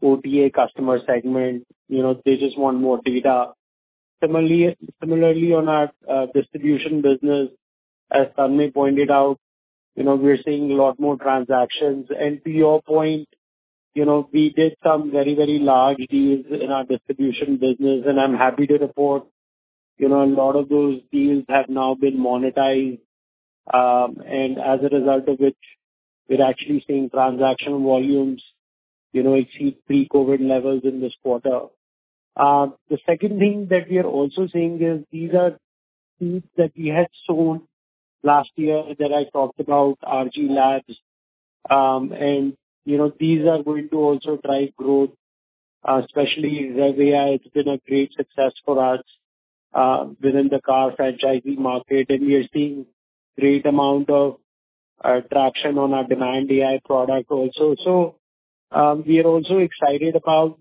OTA customer segment. You know, they just want more data. Similarly on our distribution business, as Tanmaya pointed out, you know, we're seeing a lot more transactions. To your point, you know, we did some very large deals in our distribution business, and I'm happy to report, you know, a lot of those deals have now been monetized. As a result of which, we're actually seeing transaction volumes, you know, exceed pre-COVID levels in this quarter. The second thing that we are also seeing is these are things that we had sold last year that I talked about, RG Labs. You know, these are going to also drive growth, especially revAI has been a great success for us within the car franchising market. We are seeing great amount of traction on our Demand.AI product also. We are also excited about,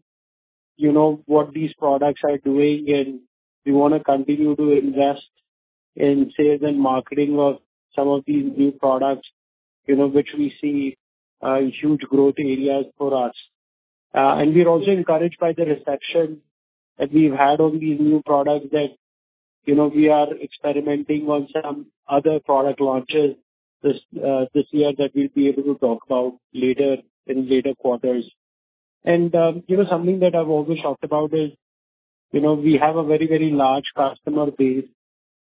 you know, what these products are doing, and we wanna continue to invest in sales and marketing of some of these new products, you know, which we see huge growth areas for us. We're also encouraged by the reception that we've had on these new products that, you know, we are experimenting on some other product launches this this year that we'll be able to talk about later in later quarters. Something that I've also talked about is, you know, we have a very, very large customer base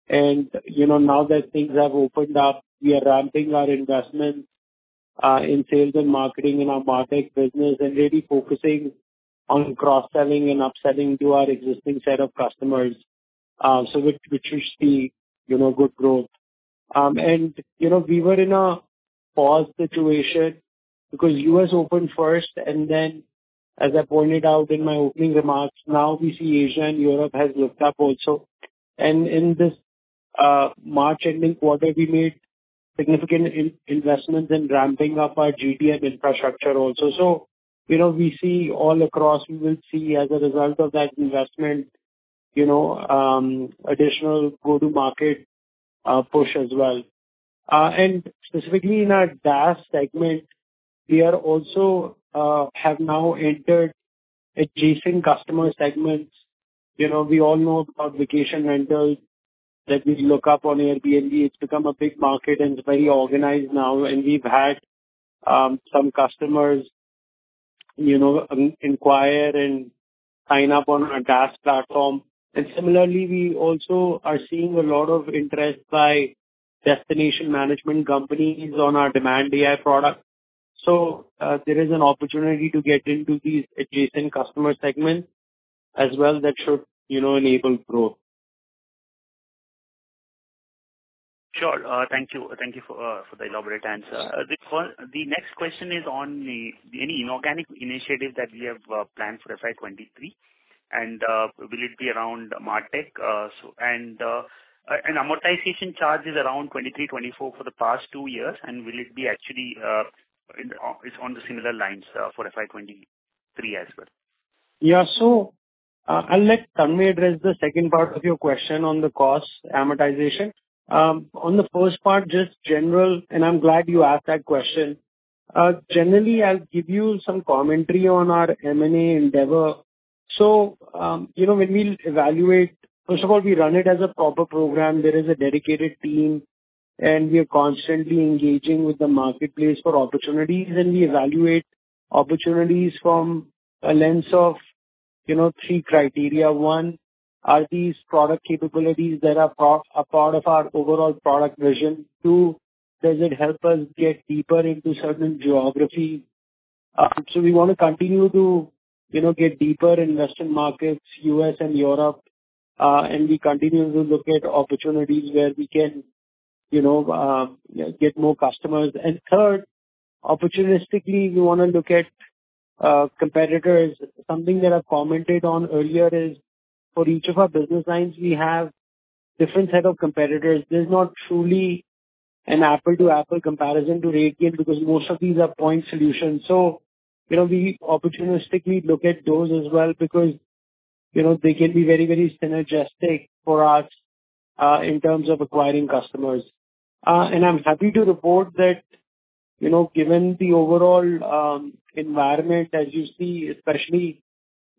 and, you know, now that things have opened up, we are ramping our investment in sales and marketing in our MarTech business and really focusing on cross-selling and upselling to our existing set of customers, so which we see, you know, good growth. You know, we were in a pause situation because U.S. opened first and then as I pointed out in my opening remarks, now we see Asia and Europe has lifted up also. In this March ending quarter, we made significant investments in ramping up our GTM infrastructure also. You know, we see all across we will see as a result of that investment, you know, additional go-to-market push as well. Specifically in our DaaS segment, we are also have now entered adjacent customer segments. You know, we all know about vacation rentals that we look up on Airbnb. It's become a big market, and it's very organized now. We've had some customers, you know, inquire and sign up on our DaaS platform. Similarly, we also are seeing a lot of interest by destination management companies on our Demand.AI product. There is an opportunity to get into these adjacent customer segments as well that should, you know, enable growth. Sure. Thank you for the elaborate answer. The next question is on any inorganic initiatives that we have planned for FY 2023, and will it be around MarTech? Amortization charge is around 23-24 for the past two years, and will it actually be on similar lines for FY 2023 as well? Yeah. I'll let Tanmaya address the second part of your question on the cost amortization. On the first part, just general, and I'm glad you asked that question. Generally, I'll give you some commentary on our M&A endeavor. You know, when we evaluate, first of all, we run it as a proper program. There is a dedicated team, and we are constantly engaging with the marketplace for opportunities, and we evaluate opportunities from a lens of, you know, three criteria. One, are these product capabilities that are part of our overall product vision? Two, does it help us get deeper into certain geography? We wanna continue to, you know, get deeper in Western markets, U.S. and Europe, and we continue to look at opportunities where we can, you know, get more customers. Third, opportunistically, we wanna look at competitors. Something that I've commented on earlier is for each of our business lines, we have different set of competitors. There's not truly an apple-to-apple comparison to RateGain because most of these are point solutions. You know, we opportunistically look at those as well because, you know, they can be very, very synergistic for us in terms of acquiring customers. I'm happy to report that, you know, given the overall environment as you see, especially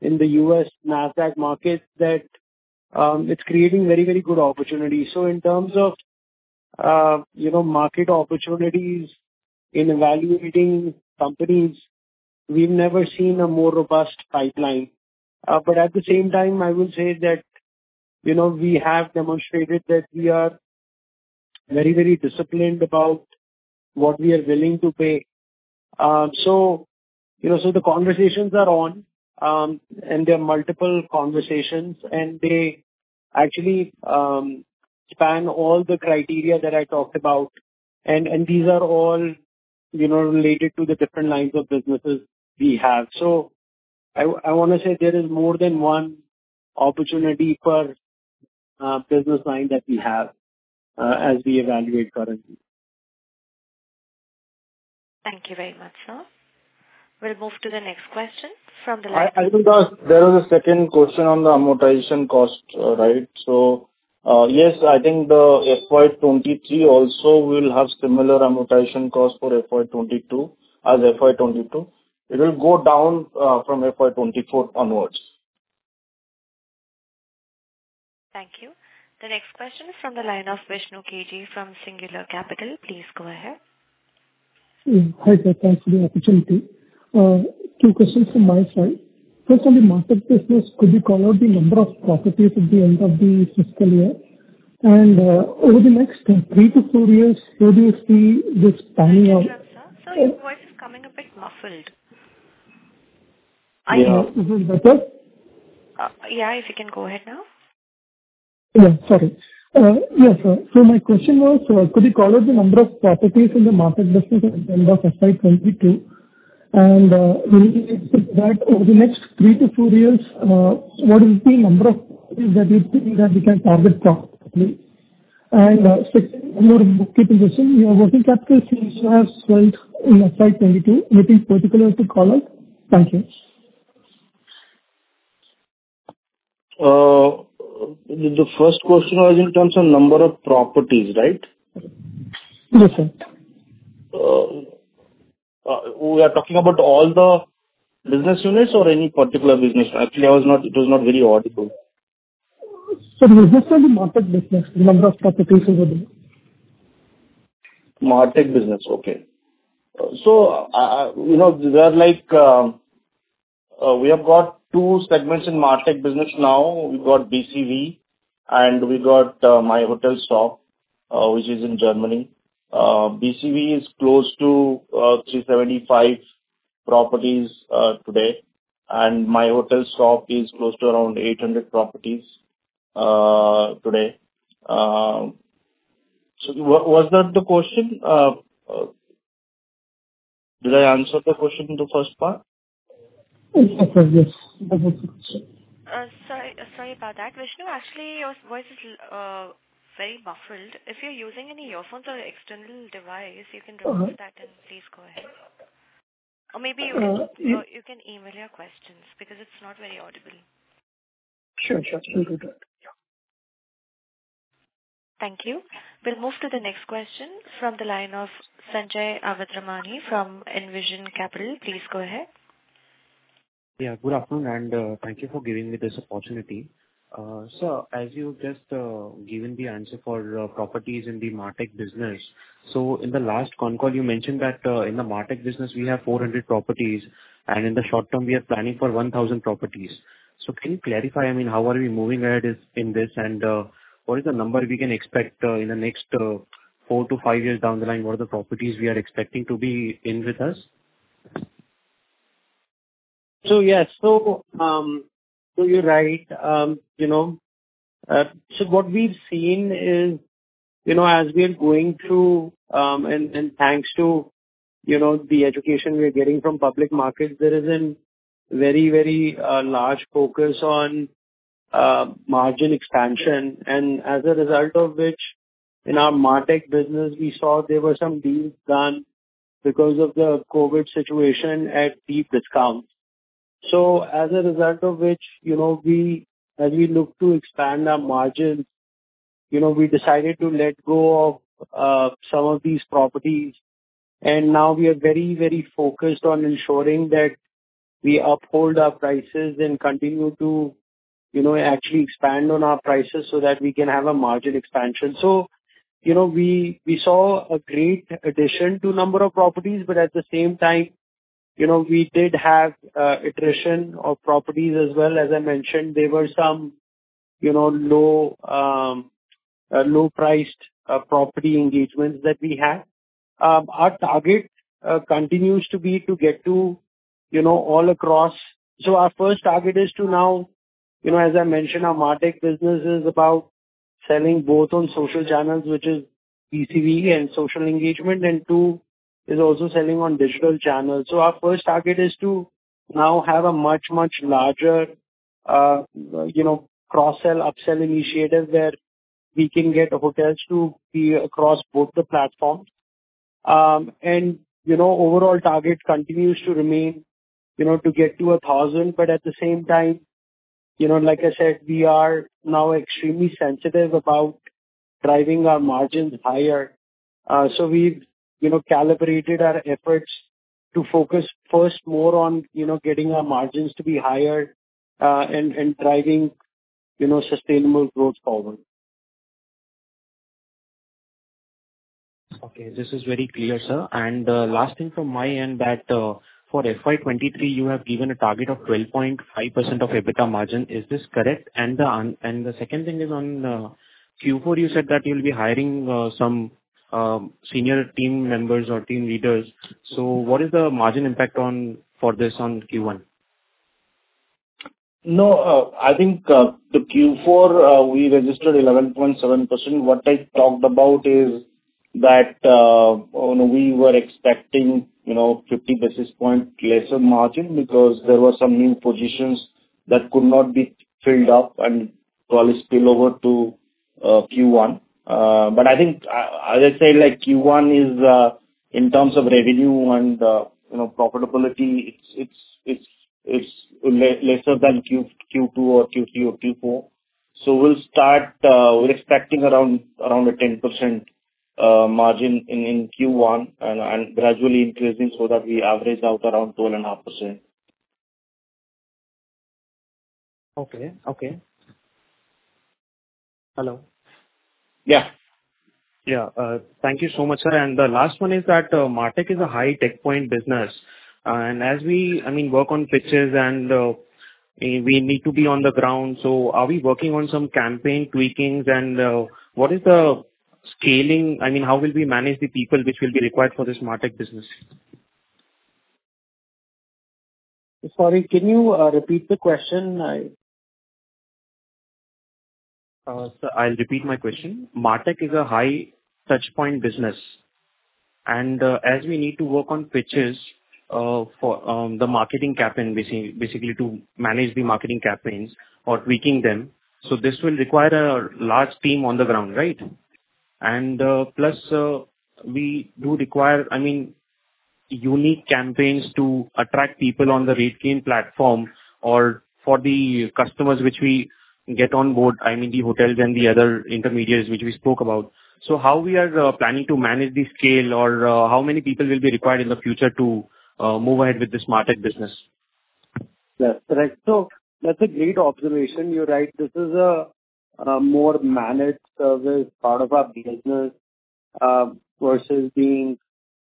in the U.S. NASDAQ market, that it's creating very, very good opportunities. In terms of you know, market opportunities in evaluating companies, we've never seen a more robust pipeline. At the same time, I would say that, you know, we have demonstrated that we are very disciplined about what we are willing to pay. The conversations are on, and there are multiple conversations and they actually span all the criteria that I talked about and these are all, you know, related to the different lines of businesses we have. I wanna say there is more than one opportunity per business line that we have, as we evaluate currently. Thank you very much, sir. We'll move to the next question from the line of. I think there was a second question on the amortization cost, right? Yes, I think the FY 2023 also will have similar amortization cost for FY 2022, as FY 2022. It will go down from FY 2024 onwards. Thank you. The next question is from the line of Vishnu KG from Singular Capital. Please go ahead. Yeah. Hi, sir. Thanks for the opportunity. Two questions from my side. First, on the market business, could you call out the number of properties at the end of the fiscal year? Over the next three to four years, where do you see this panning out? Sir, your voice is coming a bit muffled. Are you Yeah. Is it better? Yeah, if you can go ahead now. Yeah. Sorry. Yes, sir. My question was, could you call out the number of properties in the market business at the end of FY 2022? Related to that, over the next three-four years, what is the number of properties that you're thinking that we can target profitably? Second, one more bookkeeping question. Your working capital seems to have swelled in FY 2022. Anything particular to call out? Thank you. The first question was in terms of number of properties, right? Yes, sir. We are talking about all the business units or any particular business? Actually, it was not very audible. Sir, specifically, marketing business, the number of properties over there. MarTech business. Okay. You know, there are like, we have got two segments in MarTech business now. We've got BCV and we've got MyHotelShop, which is in Germany. BCV is close to 375 properties today. MyHotelShop is close to around 800 properties today. Was that the question? Did I answer the question in the first part? Yes, sir. Yes. That was the question. Sorry about that. Vishnu, actually, your voice is very muffled. If you're using any earphones or external device, you can remove that and please go ahead. Or maybe you can email your questions because it's not very audible. Sure. Will do that. Thank you. We'll move to the next question from the line of Sanjay Awatramani from Envision Capital. Please go ahead. Yeah. Good afternoon, and thank you for giving me this opportunity. Sir, as you've just given the answer for properties in the MarTech business. In the last concall you mentioned that in the MarTech business we have 400 properties, and in the short term we are planning for 1,000 properties. Can you clarify, I mean, how are we moving ahead in this and what is the number we can expect in the next four-five years down the line? What are the properties we are expecting to be in with us? Yes. You're right. What we've seen is, you know, as we are going through, and thanks to, you know, the education we are getting from public markets, there is a very, very large focus on margin expansion. As a result of which, in our MarTech business we saw there were some deals done because of the COVID situation at deep discounts. As a result of which, you know, we, as we look to expand our margins, you know, we decided to let go of some of these properties. Now we are very, very focused on ensuring that we uphold our prices and continue to, you know, actually expand on our prices so that we can have a margin expansion. You know, we saw a great addition to number of properties, but at the same time, you know, we did have attrition of properties as well. As I mentioned, there were some, you know, low-priced property engagements that we had. Our target continues to be to get to, you know, all across. Our first target is to now, you know, as I mentioned, our MarTech business is about selling both on social channels, which is BCV and social engagement, and too is also selling on digital channels. Our first target is to now have a much larger, you know, cross-sell, up-sell initiative where we can get hotels to be across both the platforms. Overall target continues to remain, you know, to get to 1,000. At the same time, you know, like I said, we are now extremely sensitive about driving our margins higher. We've, you know, calibrated our efforts to focus first more on, you know, getting our margins to be higher, and driving, you know, sustainable growth forward. Okay. This is very clear, sir. Last thing from my end that, for FY 2023 you have given a target of 12.5% of EBITDA margin. Is this correct? The second thing is on, Q4 you said that you'll be hiring, some, senior team members or team leaders. What is the margin impact on, for this on Q1? No, I think the Q4 we registered 11.7%. What I talked about is that, you know, we were expecting, you know, 50 basis points lesser margin because there were some new positions that could not be filled up and probably spill over to Q1. I think, as I said, like Q1 is, in terms of revenue and, you know, profitability, it's lesser than Q2 or Q3 or Q4. We're expecting around a 10% margin in Q1 and gradually increasing so that we average out around 12.5%. Okay. Hello. Yeah. Thank you so much, sir. The last one is that MarTech is a high-touch business. As we, I mean, work on pitches and we need to be on the ground. Are we working on some campaign tweaking and what is the scaling? I mean, how will we manage the people which will be required for this MarTech business? Sorry, can you repeat the question? I'll repeat my question. MarTech is a high touch point business, and, as we need to work on pitches, for, the marketing campaign basically to manage the marketing campaigns or tweaking them. This will require a large team on the ground, right? Plus, we do require, I mean, unique campaigns to attract people on the RateGain platform or for the customers which we get on board, I mean, the hotels and the other intermediaries which we spoke about. How we are planning to manage the scale, or, how many people will be required in the future to move ahead with this MarTech business? Yes. Right. That's a great observation. You're right. This is a more managed service part of our business versus being,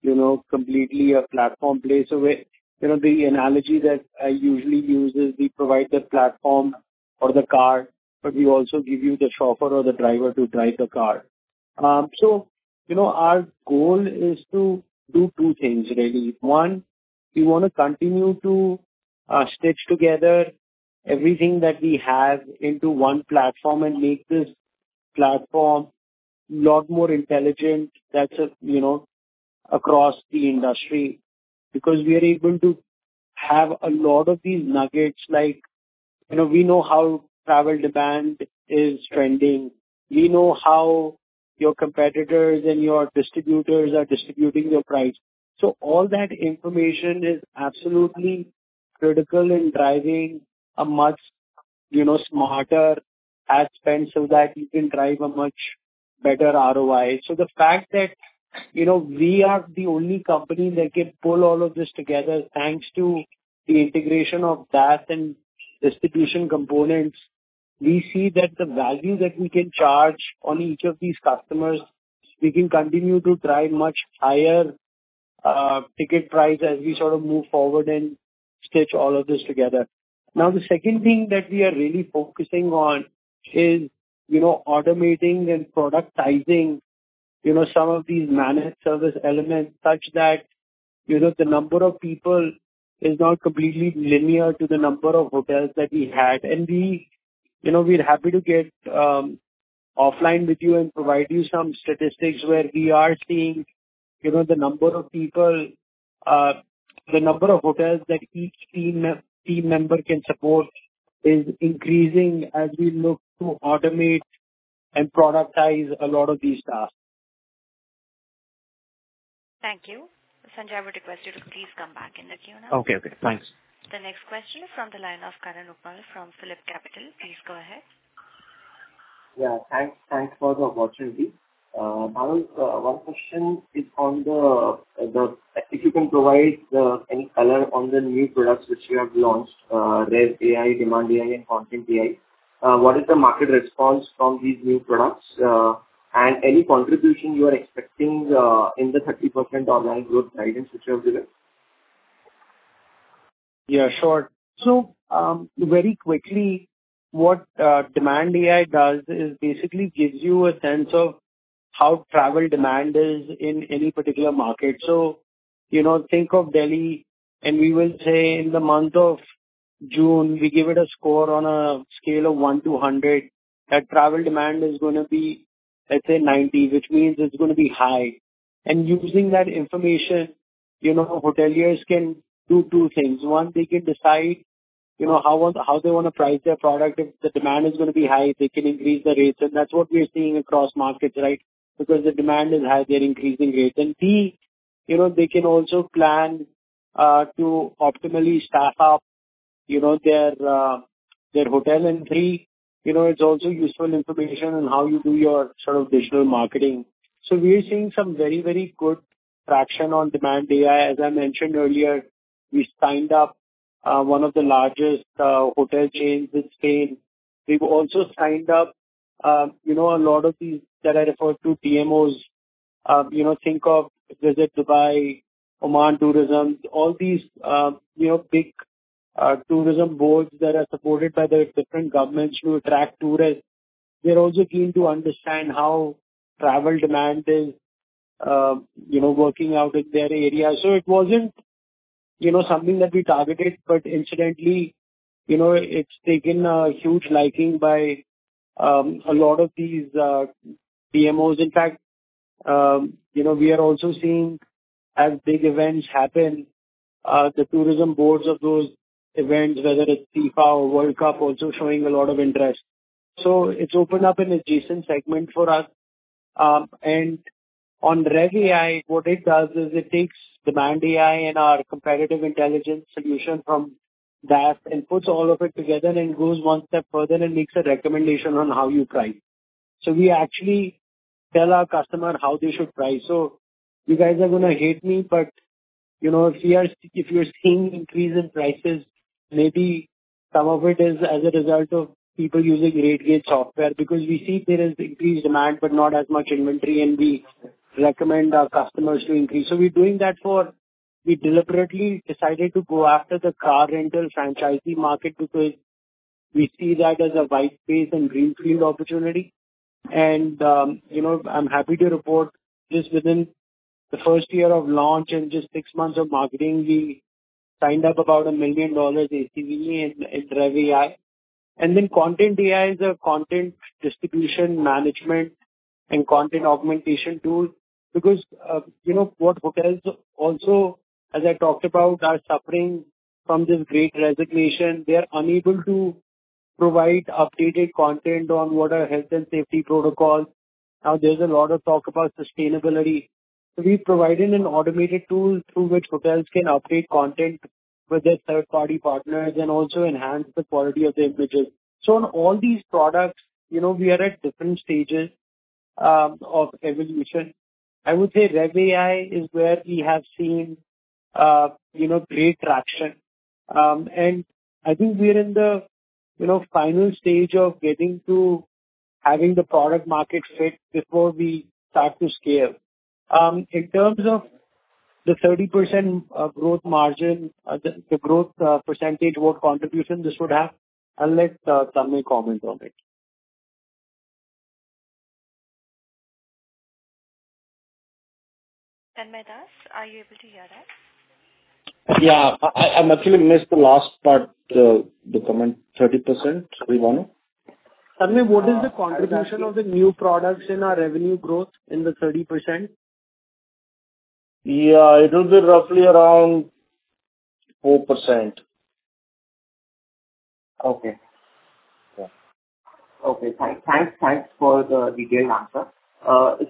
you know, completely a platform play. You know, the analogy that I usually use is we provide the platform or the car, but we also give you the chauffeur or the driver to drive the car. So you know, our goal is to do two things really. One, we wanna continue to stitch together everything that we have into one platform and make this platform a lot more intelligent. That's, you know, across the industry. Because we are able to have a lot of these nuggets like, you know, we know how travel demand is trending, we know how your competitors and your distributors are distributing your price. All that information is absolutely critical in driving a much, you know, smarter ad spend so that you can drive a much better ROI. The fact that, you know, we are the only company that can pull all of this together, thanks to the integration of DaaS and distribution components, we see that the value that we can charge on each of these customers, we can continue to drive much higher ticket price as we sort of move forward and stitch all of this together. Now, the second thing that we are really focusing on is, you know, automating and productizing, you know, some of these managed service elements such that, you know, the number of people is not completely linear to the number of hotels that we had. We, you know, we're happy to get offline with you and provide you some statistics where we are seeing, you know, the number of people, the number of hotels that each team member can support is increasing as we look to automate and productize a lot of these tasks. Thank you. Sanjay, I would request you to please come back in the queue now. Okay, thanks. The next question is from the line of Karan Uppal from PhillipCapital. Please go ahead. Yeah, thanks. Thanks for the opportunity. Bhanu Chopra, one question is on if you can provide any color on the new products which you have launched. There's AI, Demand.AI and Content.AI. What is the market response from these new products? Any contribution you are expecting in the 30% online growth guidance which you have given? Yeah, sure. Very quickly, what Demand.AI does is basically gives you a sense of how travel demand is in any particular market. You know, think of Delhi, and we will say in the month of June, we give it a score on a scale of 1 to 100, that travel demand is gonna be, let's say, 90, which means it's gonna be high. Using that information, you know, hoteliers can do two things. One, they can decide, you know, how they wanna price their product. If the demand is gonna be high, they can increase the rates. That's what we are seeing across markets, right? Because the demand is high, they're increasing rates. B, you know, they can also plan to optimally staff up, you know, their hotel. Three, you know, it's also useful information on how you do your sort of digital marketing. We are seeing some very, very good traction on Demand.AI. As I mentioned earlier, we signed up one of the largest hotel chains in Spain. We've also signed up, you know, a lot of these that I refer to DMOs. You know, think of Visit Dubai, Oman Tourism, all these, you know, big tourism boards that are supported by the different governments to attract tourists. They're also keen to understand how travel demand is, you know, working out in their area. It wasn't, you know, something that we targeted, but incidentally, you know, it's taken a huge liking by a lot of these DMOs. In fact, you know, we are also seeing as big events happen, the tourism boards of those events, whether it's FIFA or World Cup, also showing a lot of interest. It's opened up an adjacent segment for us. On revAI, what it does is it takes Demand.AI and our competitive intelligence solution from that and puts all of it together and goes one step further and makes a recommendation on how you price. We actually tell our customer how they should price. You guys are gonna hate me, but, you know, if you're seeing increase in prices, maybe some of it is as a result of people using RateGain software, because we see there is increased demand, but not as much inventory, and we recommend our customers to increase. We're doing that for. We deliberately decided to go after the car rental franchisee market because we see that as a wide space and greenfield opportunity. I'm happy to report just within the first year of launch and just six months of marketing, we signed up about $1 million ACV in RevAI. ContentAI is a content distribution management and content augmentation tool. What hotels also, as I talked about, are suffering from this great resignation. They are unable to provide updated content on what are health and safety protocols. Now, there's a lot of talk about sustainability. We've provided an automated tool through which hotels can update content with their third-party partners and also enhance the quality of their images. On all these products, we are at different stages of evolution. I would say revAI is where we have seen, you know, great traction. I think we are in the, you know, final stage of getting to having the product market fit before we start to scale. In terms of the 30% growth margin, the growth percentage or contribution this would have, I'll let Tanmaya comment on it. Tanmaya Das, are you able to hear that? Yeah. I actually missed the last part, the comment. 30% revenue? Tanmaya, what is the contribution of the new products in our revenue growth in the 30%? Yeah. It'll be roughly around 4%. Okay. Yeah. Thanks for the detailed answer.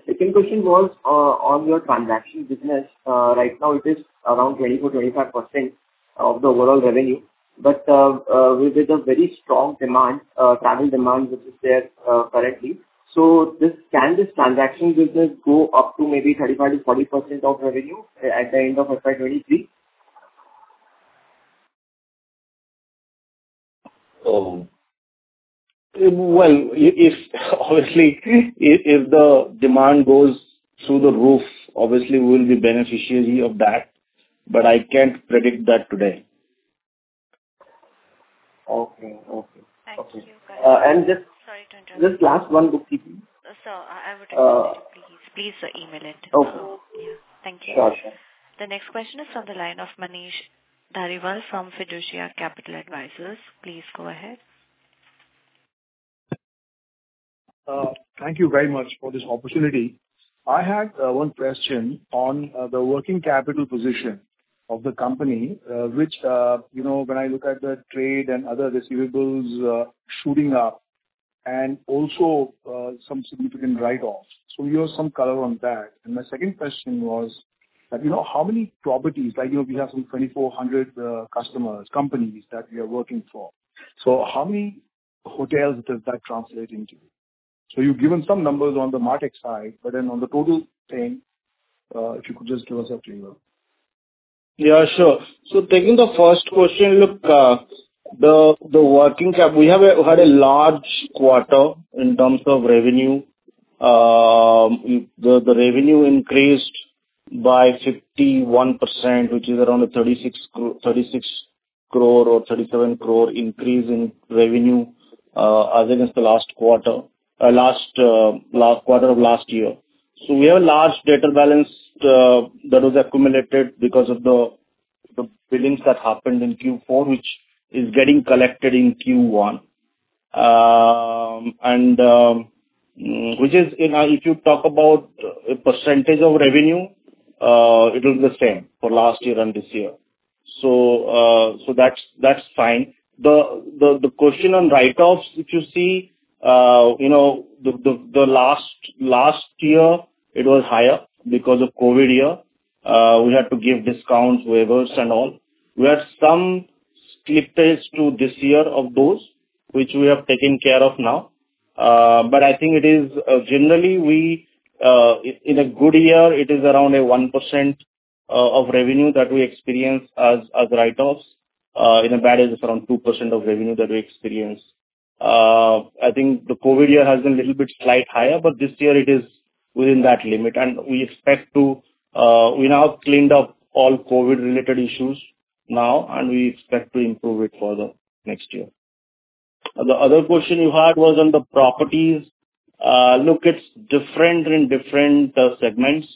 Second question was on your transaction business. Right now it is around 24%-25% of the overall revenue. With the very strong demand, travel demand, which is there currently, can this transaction business go up to maybe 35%-40% of revenue at the end of FY 2023? Well, if obviously the demand goes through the roof, obviously we'll be beneficiary of that, but I can't predict that today. Okay. Thank you guys. Uh, and just- Sorry to interrupt. Just last one quickly, please. Sir, I would request you to please email it. Okay. Thank you. Got it. The next question is on the line of Manish Dhariwal from Fiducia Capital Advisors. Please go ahead. Thank you very much for this opportunity. I had one question on the working capital position of the company, which, you know, when I look at the trade and other receivables shooting up and also some significant write-offs. You have some color on that. My second question was that, you know, how many properties, like, you know, we have some 2,400 customers, companies that we are working for. How many hotels does that translate into? You've given some numbers on the MarTech side, but then on the total thing, if you could just give us a figure. Yeah, sure. Taking the first question, look, we had a large quarter in terms of revenue. The revenue increased by 51%, which is around a 36 crore or 37 crore increase in revenue, as against the last quarter of last year. We have a large debtor balance that was accumulated because of the billings that happened in Q4, which is getting collected in Q1. Which is, you know, if you talk about a percentage of revenue, it'll be the same for last year and this year. That's fine. The question on write-offs, if you see, you know, the last year it was higher because of COVID year. We had to give discounts, waivers and all. We had some slippage to this year of those which we have taken care of now. I think it is, generally, in a good year, it is around 1% of revenue that we experience as write-offs. In a bad year is around 2% of revenue that we experience. I think the COVID year has been a little bit slightly higher, but this year it is within that limit. We now have cleaned up all COVID-related issues now, and we expect to improve it further next year. The other question you had was on the properties. Look, it's different in different segments.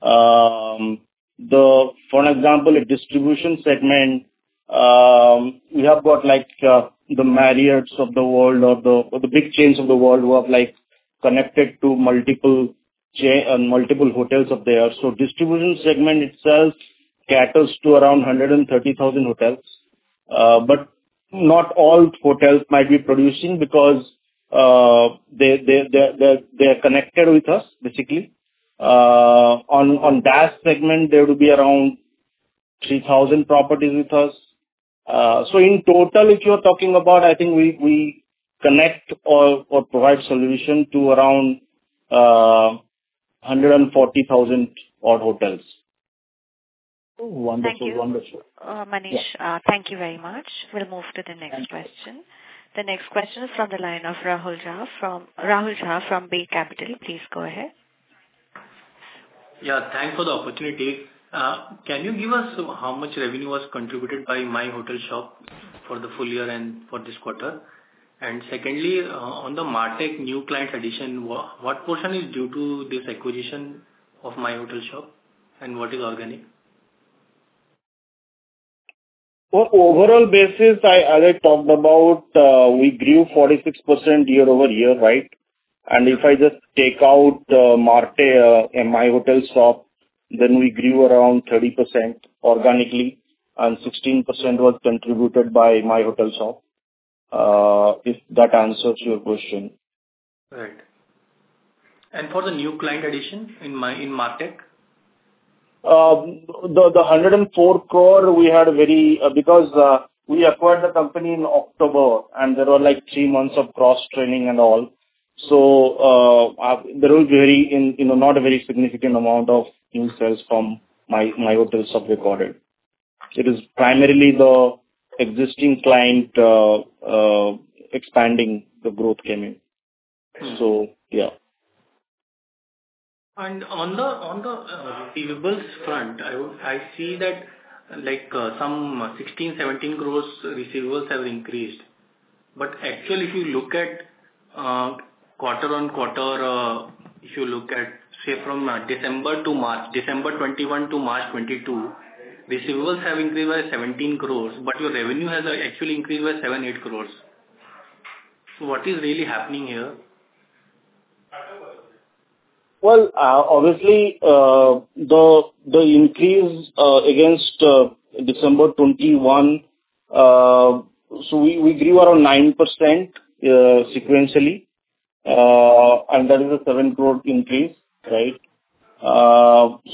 For an example, a distribution segment, we have got like the Marriotts of the world or the big chains of the world who have like connected to multiple hotels of theirs. Distribution segment itself caters to around 130,000 hotels. Not all hotels might be producing because they are connected with us, basically. On DaaS segment, there will be around 3,000 properties with us. In total, if you're talking about, I think we connect or provide solution to around 140,000 odd hotels. Wonderful. Thank you. Yeah. Manish, thank you very much. We'll move to the next question. The next question is from the line of Rahul Jha from Bay Capital. Please go ahead. Yeah, thanks for the opportunity. Can you give us how much revenue was contributed by MyHotelShop for the full year and for this quarter? Secondly, on the MarTech new client addition, what portion is due to this acquisition of MyHotelShop, and what is organic? On overall basis, I, as I talked about, we grew 46% year-over-year, right? If I just take out MarTech and MyHotelShop, then we grew around 30% organically and 16% was contributed by MyHotelShop. If that answers your question. Right. For the new client addition in MarTech? The 104 crore we had, because we acquired the company in October, and there were like three months of cross-training and all. There was, you know, not a very significant amount of new sales from MyHotelShop recorded. It is primarily the existing client expanding, the growth came in. Yeah. On the receivables front, I see that, like, some 16 crore-17 crore receivables have increased. Actually, if you look at quarter-on-quarter, if you look at, say, from December 2021 to March 2022, receivables have increased by 17 crore, but your revenue has actually increased by 7 crore-8 crore. What is really happening here? Well, obviously, the increase against December 2021, so we grew around 9% sequentially, and that is an 7 crore increase, right? The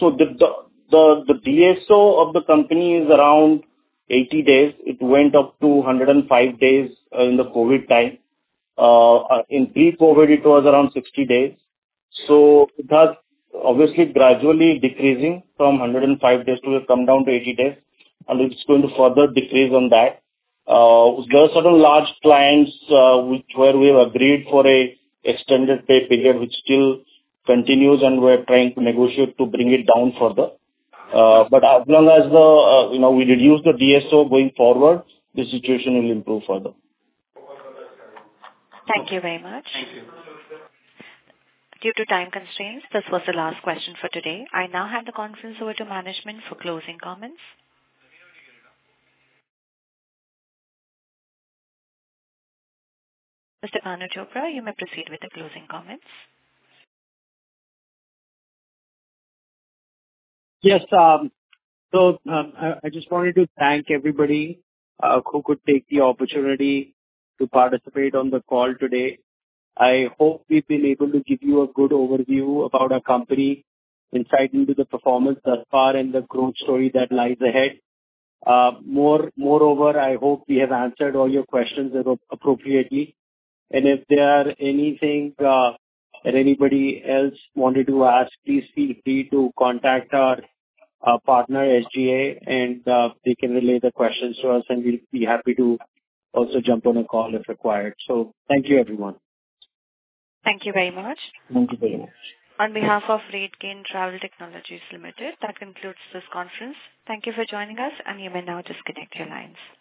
DSO of the company is around 80 days. It went up to 105 days in the COVID time. In pre-COVID, it was around 60 days. That obviously gradually decreasing from 105 days to come down to 80 days, and it's going to further decrease on that. We've got certain large clients where we have agreed for an extended pay period, which still continues, and we're trying to negotiate to bring it down further. As long as you know, we reduce the DSO going forward, the situation will improve further. Thank you very much. Thank you. Due to time constraints, this was the last question for today. I now hand the conference over to management for closing comments. Mr. Bhanu Chopra, you may proceed with the closing comments. Yes. I just wanted to thank everybody who could take the opportunity to participate on the call today. I hope we've been able to give you a good overview about our company, insight into the performance thus far and the growth story that lies ahead. Moreover, I hope we have answered all your questions, you know, appropriately. If there are anything that anybody else wanted to ask, please feel free to contact our partner, SGA, and they can relay the questions to us, and we'll be happy to also jump on a call if required. Thank you, everyone. Thank you very much. Thank you very much. On behalf of RateGain Travel Technologies Limited, that concludes this conference. Thank you for joining us, and you may now disconnect your lines.